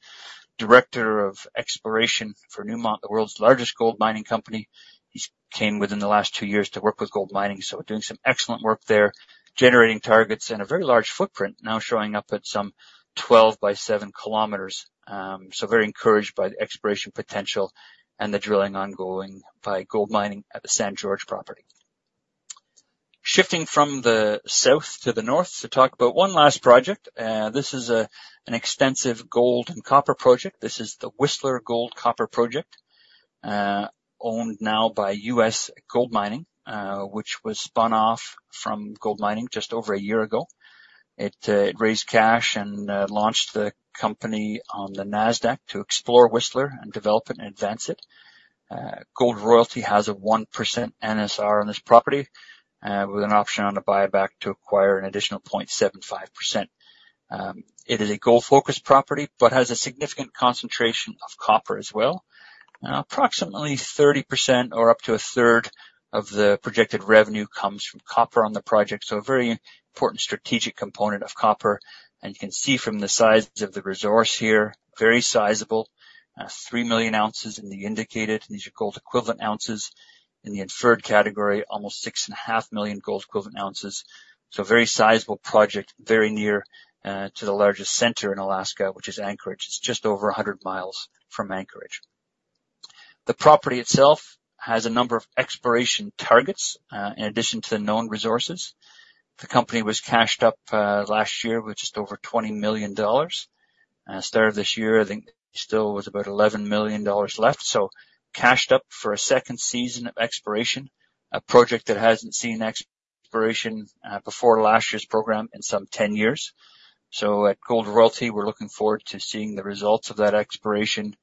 director of exploration for Newmont, the world's largest gold mining company. He came within the last 2 years to work with Gold Mining. So doing some excellent work there, generating targets and a very large footprint now showing up at some 12 by 7 kilometers. So very encouraged by the exploration potential and the drilling ongoing by Gold Mining at the San Jorge property. Shifting from the south to the north to talk about one last project. This is an extensive gold and copper project. This is the Whistler Gold-Copper Project, owned now by U.S. GoldMining Inc., which was spun off from GoldMining Inc. just over a year ago. It raised cash and launched the company on the NASDAQ to explore Whistler and develop it and advance it. Gold Royalty Corp has a 1% NSR on this property with an option on a buyback to acquire an additional 0.75%. It is a gold-focused property, but has a significant concentration of copper as well. Approximately 30% or up to a third of the projected revenue comes from copper on the project. So a very important strategic component of copper. And you can see from the size of the resource here, very sizable, 3 million ounces in the indicated. These are gold equivalent ounces in the inferred category, almost 6.5 million gold equivalent ounces. So a very sizable project, very near to the largest center in Alaska, which is Anchorage. It's just over 100 miles from Anchorage. The property itself has a number of exploration targets in addition to the known resources. The company was cashed up last year with just over $20 million. Start of this year, I think still was about $11 million left. So cashed up for a second season of exploration, a project that hasn't seen exploration before last year's program in some 10 years. So at Gold Royalty, we're looking forward to seeing the results of that exploration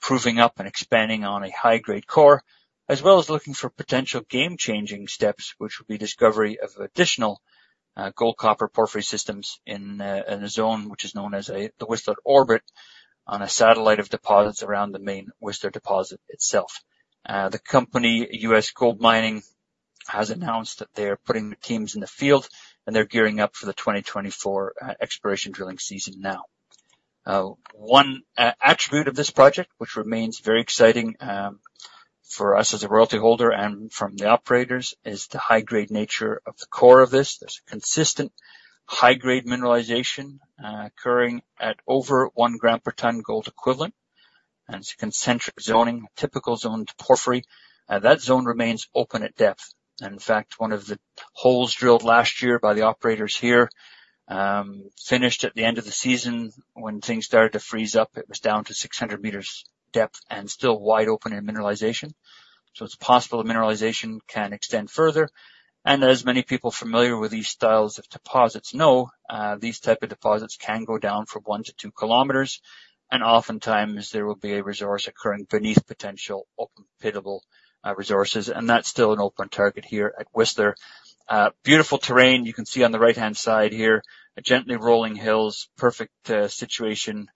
proving up and expanding on a high-grade core, as well as looking for potential game-changing steps, which will be the discovery of additional gold copper porphyry systems in a zone which is known as the Whistler Orbit on a satellite of deposits around the main Whistler deposit itself. The company, U.S. GoldMining, has announced that they are putting teams in the field, and they're gearing up for the 2024 exploration drilling season now. One attribute of this project, which remains very exciting for us as a royalty holder and from the operators, is the high-grade nature of the core of this. There's consistent high-grade mineralization occurring at over one gram per ton gold equivalent. And it's concentric zoning, typical zoned porphyry. That zone remains open at depth. And in fact, one of the holes drilled last year by the operators here finished at the end of the season when things started to freeze up. It was down to 600 meters depth and still wide open in mineralization. It's possible the mineralization can extend further. And as many people familiar with these styles of deposits know, these types of deposits can go down from 1-2 kilometers. And oftentimes, there will be a resource occurring beneath potential open-pittable resources. And that's still an open target here at Whistler. Beautiful terrain. You can see on the right-hand side here, gently rolling hills, perfect situation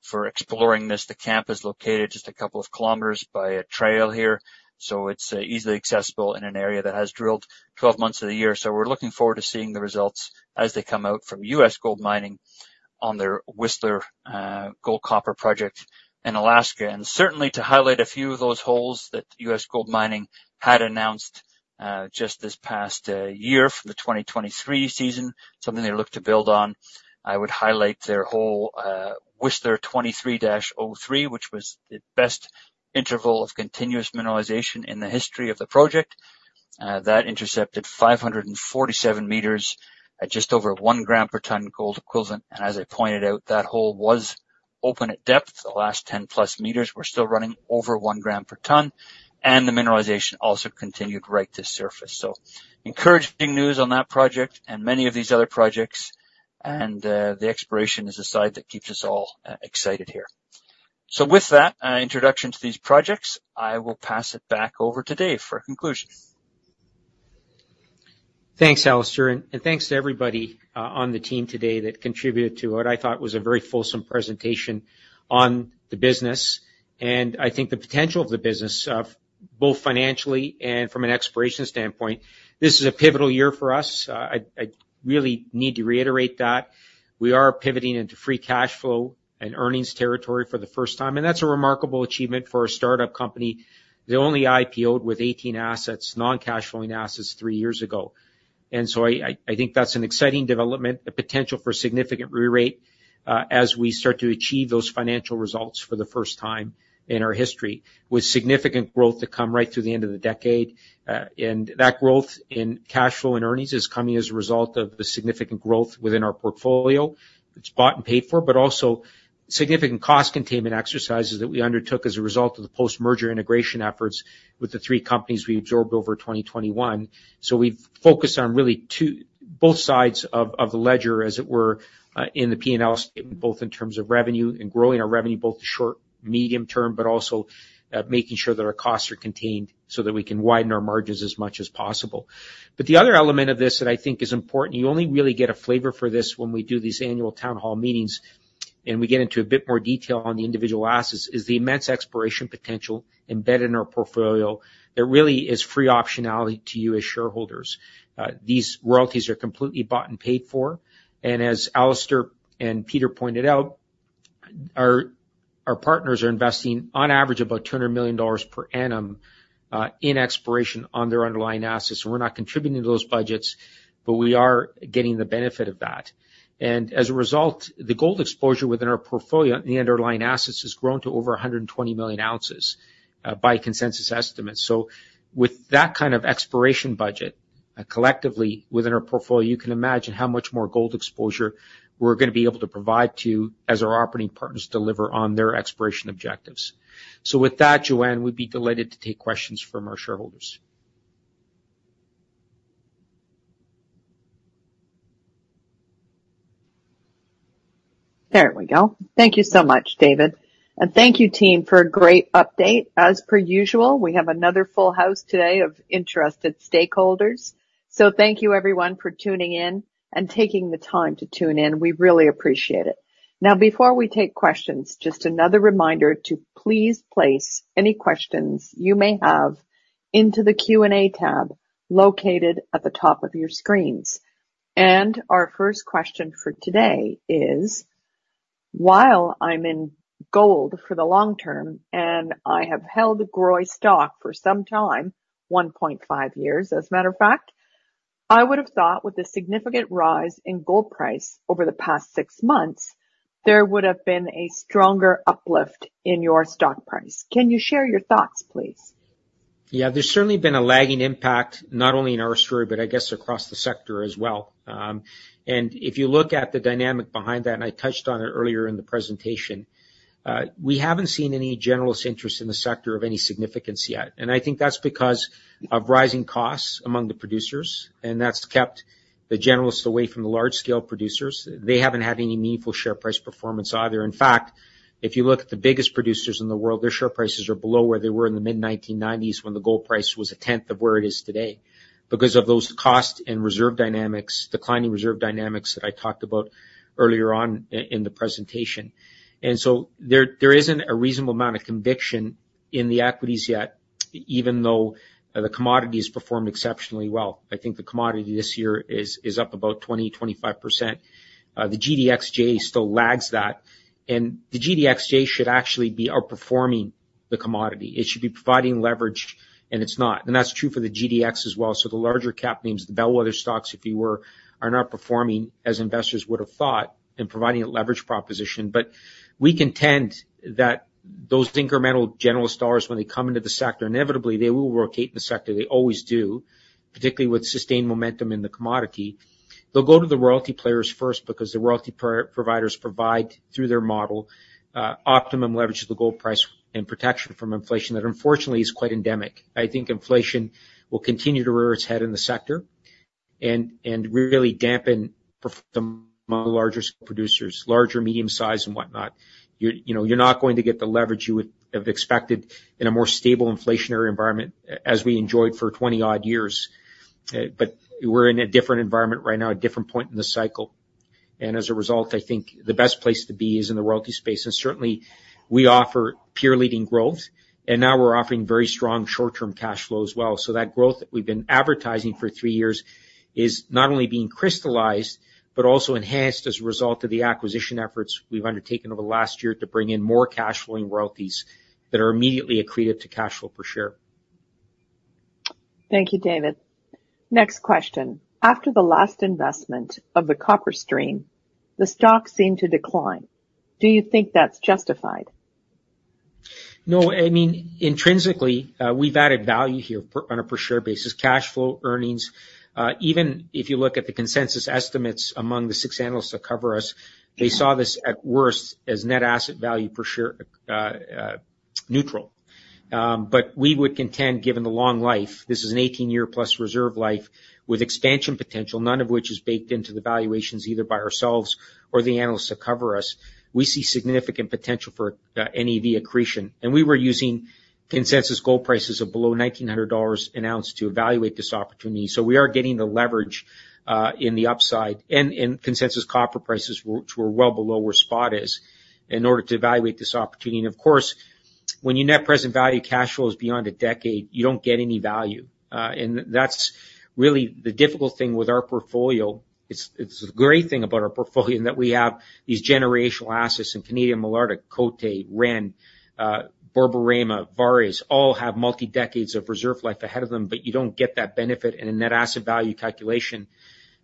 for exploring this. The camp is located just a couple of kilometers by a trail here. So it's easily accessible in an area that has drilled 12 months of the year. So we're looking forward to seeing the results as they come out from U.S. GoldMining on their Whistler Gold-Copper Project in Alaska. And certainly, to highlight a few of those holes that U.S. GoldMining had announced just this past year from the 2023 season, something they look to build on, I would highlight their hole Whistler 23-03, which was the best interval of continuous mineralization in the history of the project. That intercepted 547 meters at just over one gram per ton gold equivalent. And as I pointed out, that hole was open at depth. The last 10+ meters were still running over one gram per ton. And the mineralization also continued right to surface. So encouraging news on that project and many of these other projects. And the exploration is a side that keeps us all excited here. So with that introduction to these projects, I will pass it back over to Dave for a conclusion. Thanks, Alastair. And thanks to everybody on the team today that contributed to what I thought was a very fulsome presentation on the business. And I think the potential of the business, both financially and from an exploration standpoint, this is a pivotal year for us. I really need to reiterate that. We are pivoting into free cash flow and earnings territory for the first time. And that's a remarkable achievement for a startup company. They only IPO'd with 18 assets, non-cash flowing assets three years ago. And so I think that's an exciting development, a potential for significant re-rate as we start to achieve those financial results for the first time in our history with significant growth to come right through the end of the decade. That growth in cash flow and earnings is coming as a result of the significant growth within our portfolio. It's bought and paid for, but also significant cost containment exercises that we undertook as a result of the post-merger integration efforts with the three companies we absorbed over 2021. We've focused on really both sides of the ledger, as it were, in the P&L statement, both in terms of revenue and growing our revenue, both the short, medium term, but also making sure that our costs are contained so that we can widen our margins as much as possible. But the other element of this that I think is important, you only really get a flavor for this when we do these annual town hall meetings and we get into a bit more detail on the individual assets, is the immense exploration potential embedded in our portfolio that really is free optionality to you as shareholders. These royalties are completely bought and paid for. And as Alastair and Peter pointed out, our partners are investing on average about $200 million per annum in exploration on their underlying assets. And we're not contributing to those budgets, but we are getting the benefit of that. And as a result, the gold exposure within our portfolio and the underlying assets has grown to over 120 million ounces by consensus estimates. So with that kind of exploration budget collectively within our portfolio, you can imagine how much more gold exposure we're going to be able to provide to us as our operating partners deliver on their exploration objectives. So with that, Joanne, we'd be delighted to take questions from our shareholders. There we go. Thank you so much, David. And thank you, team, for a great update. As per usual, we have another full house today of interested stakeholders. So thank you, everyone, for tuning in and taking the time to tune in. We really appreciate it. Now, before we take questions, just another reminder to please place any questions you may have into the Q&A tab located at the top of your screens. And our first question for today is, while I'm in gold for the long term and I have held a growing stock for some time, 1.5 years, as a matter of fact, I would have thought with the significant rise in gold price over the past six months, there would have been a stronger uplift in your stock price. Can you share your thoughts, please? Yeah, there's certainly been a lagging impact, not only in our story, but I guess across the sector as well. And if you look at the dynamic behind that, and I touched on it earlier in the presentation, we haven't seen any generalist interest in the sector of any significance yet. And I think that's because of rising costs among the producers. And that's kept the generalist away from the large-scale producers. They haven't had any meaningful share price performance either. In fact, if you look at the biggest producers in the world, their share prices are below where they were in the mid-1990s when the gold price was a tenth of where it is today because of those cost and reserve dynamics, declining reserve dynamics that I talked about earlier on in the presentation. And so there isn't a reasonable amount of conviction in the equities yet, even though the commodities performed exceptionally well. I think the commodity this year is up about 20%-25%. The GDXJ still lags that. And the GDXJ should actually be outperforming the commodity. It should be providing leverage, and it's not. And that's true for the GDX as well. So the larger cap names, the bellwether stocks, if you were, are not performing as investors would have thought in providing a leverage proposition. But we contend that those incremental generalist dollars, when they come into the sector, inevitably, they will rotate in the sector. They always do, particularly with sustained momentum in the commodity. They'll go to the royalty players first because the royalty providers provide through their model, optimum leverage to the gold price and protection from inflation that unfortunately is quite endemic. I think inflation will continue to rear its head in the sector and really dampen performance among larger producers, larger, medium-sized, and whatnot. You're not going to get the leverage you would have expected in a more stable inflationary environment as we enjoyed for 20-odd years. But we're in a different environment right now, a different point in the cycle. And as a result, I think the best place to be is in the royalty space. And certainly, we offer peer-leading growth. And now we're offering very strong short-term cash flow as well. So that growth that we've been advertising for three years is not only being crystallized, but also enhanced as a result of the acquisition efforts we've undertaken over the last year to bring in more cash-flowing royalties that are immediately accretive to cash flow per share. Thank you, David. Next question. After the last investment of the copper stream, the stock seemed to decline. Do you think that's justified? No, I mean, intrinsically, we've added value here on a per-share basis, cash flow, earnings. Even if you look at the consensus estimates among the 6 analysts that cover us, they saw this at worst as net asset value per share neutral. But we would contend, given the long life, this is an 18-year-plus reserve life with expansion potential, none of which is baked into the valuations either by ourselves or the analysts that cover us, we see significant potential for NPV accretion. And we were using consensus gold prices of below $1,900 an ounce to evaluate this opportunity. So we are getting the leverage in the upside. And consensus copper prices, which were well below where spot is, in order to evaluate this opportunity. And of course, when your net present value cash flow is beyond a decade, you don't get any value. And that's really the difficult thing with our portfolio. It's the great thing about our portfolio that we have these generational assets in Canadian Malartic, Côté, Ren, Borborema, Vares, all have multi-decades of reserve life ahead of them, but you don't get that benefit in a net asset value calculation.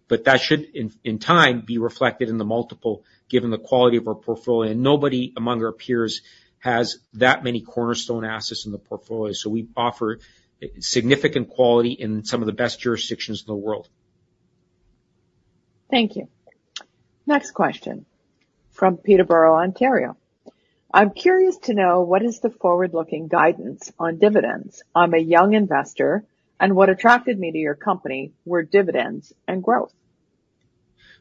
But that should, in time, be reflected in the multiple given the quality of our portfolio. And nobody among our peers has that many cornerstone assets in the portfolio. So we offer significant quality in some of the best jurisdictions in the world. Thank you. Next question from Peterborough, Ontario. I'm curious to know what is the forward-looking guidance on dividends. I'm a young investor, and what attracted me to your company were dividends and growth.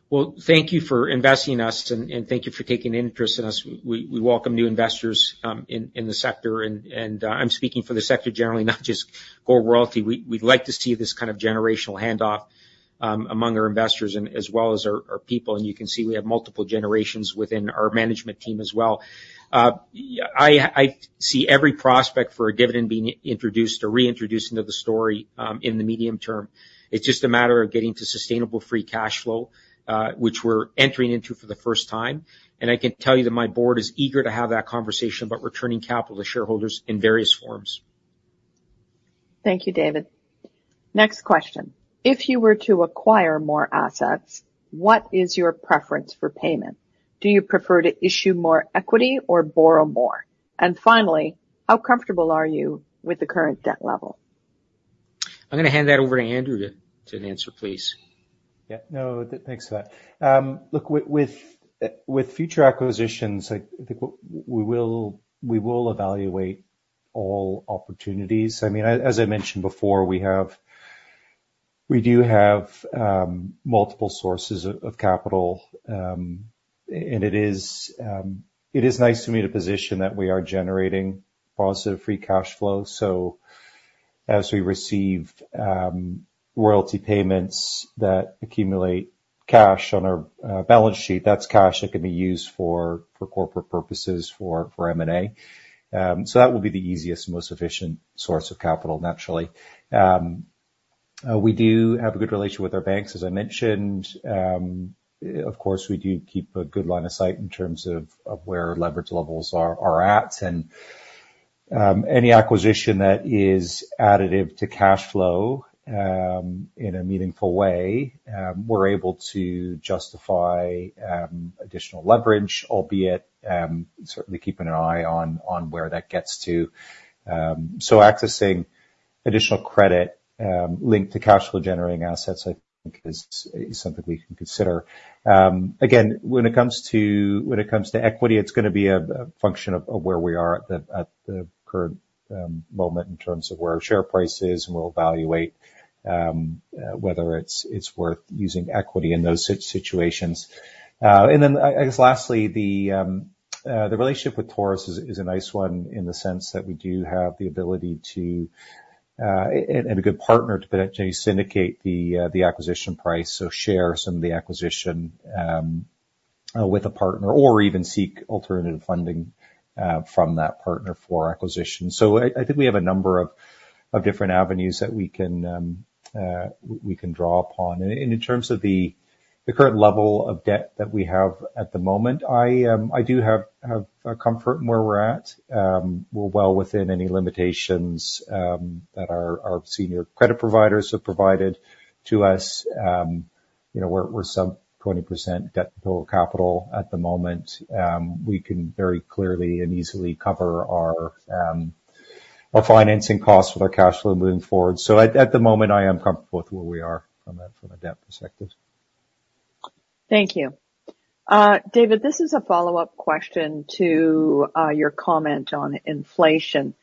Well, thank you for investing in us, and thank you for taking interest in us. We welcome new investors in the sector. And I'm speaking for the sector generally, not just gold royalty. We'd like to see this kind of generational handoff among our investors as well as our people. You can see we have multiple generations within our management team as well. I see every prospect for a dividend being introduced or reintroduced into the story in the medium term. It's just a matter of getting to sustainable Free Cash Flow, which we're entering into for the first time. I can tell you that my Board is eager to have that conversation about returning capital to shareholders in various forms. Thank you, David. Next question. If you were to acquire more assets, what is your preference for payment? Do you prefer to issue more equity or borrow more? And finally, how comfortable are you with the current debt level? I'm going to hand that over to Andrew to answer, please. Yeah. No, thanks for that. Look, with future acquisitions, we will evaluate all opportunities. I mean, as I mentioned before, we do have multiple sources of capital. And it is nice to meet a position that we are generating positive free cash flow. So as we receive royalty payments that accumulate cash on our balance sheet, that's cash that can be used for corporate purposes for M&A. So that will be the easiest and most efficient source of capital, naturally. We do have a good relation with our banks, as I mentioned. Of course, we do keep a good line of sight in terms of where leverage levels are at. And any acquisition that is additive to cash flow in a meaningful way, we're able to justify additional leverage, albeit certainly keeping an eye on where that gets to. So accessing additional credit linked to cash flow-generating assets, I think, is something we can consider. Again, when it comes to equity, it's going to be a function of where we are at the current moment in terms of where our share price is, and we'll evaluate whether it's worth using equity in those situations. And then, I guess, lastly, the relationship with Taurus is a nice one in the sense that we do have the ability to, and a good partner to potentially syndicate the acquisition price or share some of the acquisition with a partner or even seek alternative funding from that partner for acquisition. So I think we have a number of different avenues that we can draw upon. And in terms of the current level of debt that we have at the moment, I do have comfort in where we're at. We're well within any limitations that our senior credit providers have provided to us. We're some 20% debt to total capital at the moment. We can very clearly and easily cover our financing costs with our cash flow moving forward. So at the moment, I am comfortable with where we are from a debt perspective. Thank you. David, this is a follow-up question to your comment on inflation.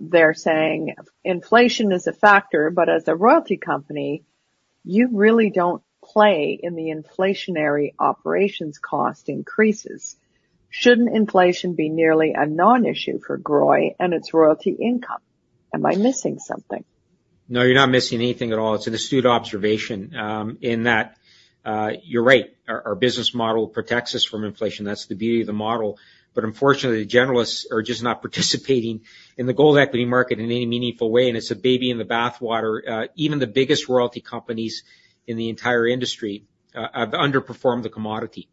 They're saying inflation is a factor, but as a royalty company, you really don't play in the inflationary operations cost increases. Shouldn't inflation be nearly a non-issue for GROY and its royalty income? Am I missing something? No, you're not missing anything at all. It's an astute observation in that you're right. Our business model protects us from inflation. That's the beauty of the model. But unfortunately, the generalists are just not participating in the gold equity market in any meaningful way. And it's throwing the baby out with the bathwater. Even the biggest royalty companies in the entire industry have underperformed the commodity,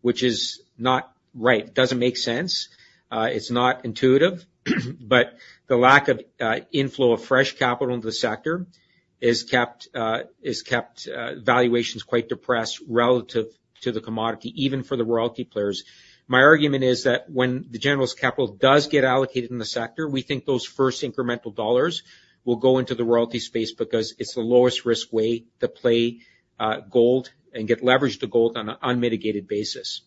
which is not right. It doesn't make sense. It's not intuitive. But the lack of inflow of fresh capital into the sector has kept valuations quite depressed relative to the commodity, even for the royalty players. My argument is that when the generalist capital does get allocated in the sector, we think those first incremental dollars will go into the royalty space because it's the lowest-risk way to play gold and get leverage to gold on an unmitigated basis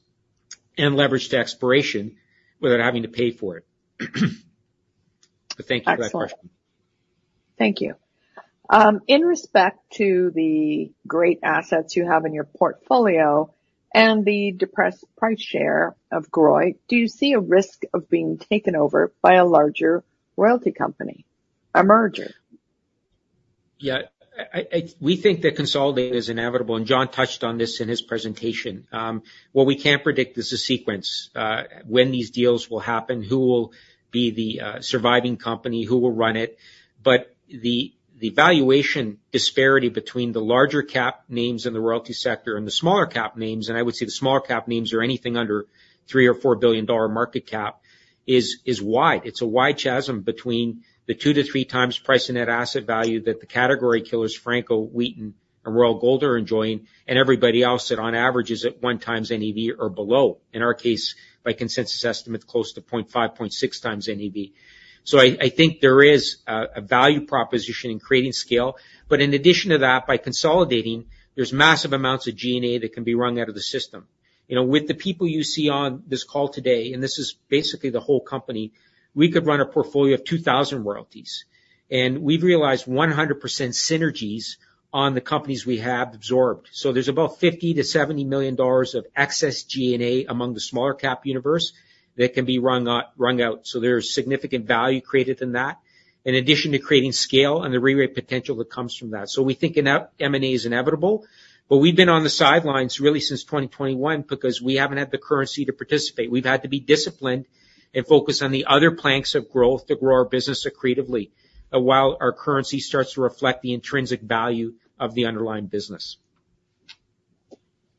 and leverage to exploration without having to pay for it. But thank you for that question. Thank you. In respect to the great assets you have in your portfolio and the depressed share price of GROY, do you see a risk of being taken over by a larger royalty company or merger? Yeah. We think that consolidating is inevitable. John touched on this in his presentation. What we can predict is a sequence: when these deals will happen, who will be the surviving company, who will run it. The valuation disparity between the larger-cap names in the royalty sector and the smaller-cap names, and I would say the smaller-cap names or anything under $3-$4 billion market cap, is wide. It's a wide chasm between the 2-3x price-to-NAV that the category killers Franco-Nevada, Wheaton, and Royal Gold are enjoying, and everybody else that, on average, is at 1x NAV or below. In our case, by consensus estimates, close to 0.5-0.6x NAV. I think there is a value proposition in creating scale. In addition to that, by consolidating, there's massive amounts of G&A that can be run out of the system. With the people you see on this call today, and this is basically the whole company, we could run a portfolio of 2,000 royalties. We've realized 100% synergies on the companies we have absorbed. There's about $50-$70 million of excess G&A among the smaller-cap universe that can be run out. There's significant value created in that, in addition to creating scale and the re-rate potential that comes from that. We think M&A is inevitable. We've been on the sidelines really since 2021 because we haven't had the currency to participate. We've had to be disciplined and focus on the other planks of growth to grow our business accretively while our currency starts to reflect the intrinsic value of the underlying business.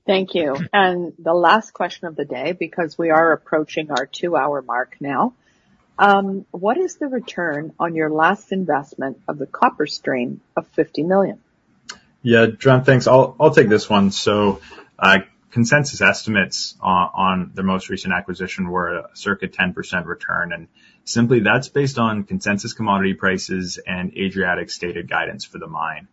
Thank you. The last question of the day, because we are approaching our 2-hour mark now. What is the return on your last investment of the copper stream of $50 million? Yeah. Joanne, thanks. I'll take this one. So consensus estimates on their most recent acquisition were a circa 10% return. And simply, that's based on consensus commodity prices and Adriatic-stated guidance for the mine,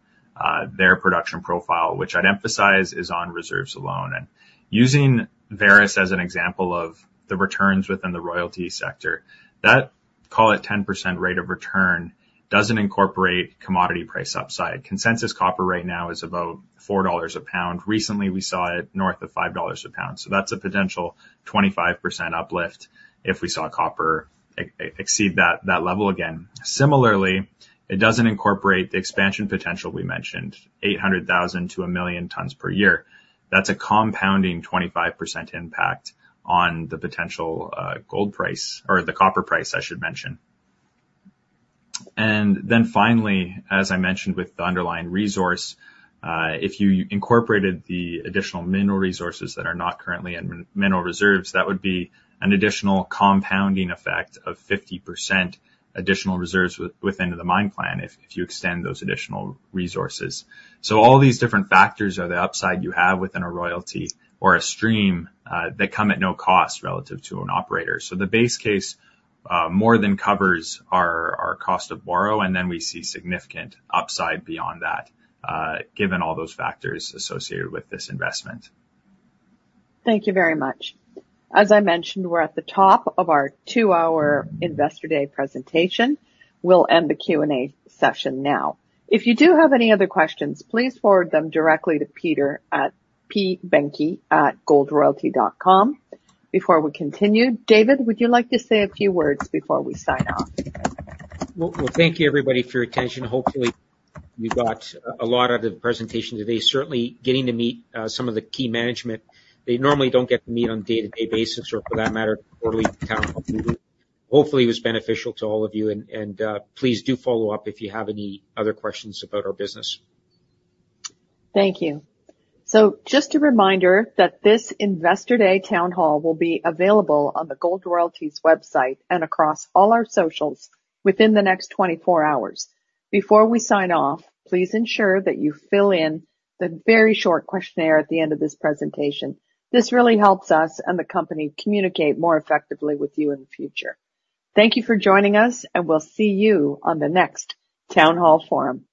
their production profile, which I'd emphasize is on reserves alone. And using Vares as an example of the returns within the royalty sector, that call it 10% rate of return doesn't incorporate commodity price upside. Consensus copper right now is about $4 a pound. Recently, we saw it north of $5 a pound. So that's a potential 25% uplift if we saw copper exceed that level again. Similarly, it doesn't incorporate the expansion potential we mentioned, 800,000-1,000,000 tons per year. That's a compounding 25% impact on the potential gold price or the copper price, I should mention. And then finally, as I mentioned with the underlying resource, if you incorporated the additional mineral resources that are not currently in mineral reserves, that would be an additional compounding effect of 50% additional reserves within the mine plan if you extend those additional resources. So all these different factors are the upside you have within a royalty or a stream that come at no cost relative to an operator. So the base case more than covers our cost of borrow, and then we see significant upside beyond that, given all those factors associated with this investment. Thank you very much. As I mentioned, we're at the top of our two-hour investor day presentation. We'll end the Q&A session now. If you do have any other questions, please forward them directly to Peter at pbehncke@goldroyalty.com. Before we continue, David, would you like to say a few words before we sign off? Well, thank you, everybody, for your attention. Hopefully, you got a lot out of the presentation today. Certainly, getting to meet some of the key management, they normally don't get to meet on a day-to-day basis or, for that matter, quarterly town hall. Hopefully, it was beneficial to all of you. Please do follow up if you have any other questions about our business. Thank you. Just a reminder that this investor day town hall will be available on the Gold Royalty's website and across all our socials within the next 24 hours. Before we sign off, please ensure that you fill in the very short questionnaire at the end of this presentation. This really helps us and the company communicate more effectively with you in the future. Thank you for joining us, and we'll see you on the next town hall forum.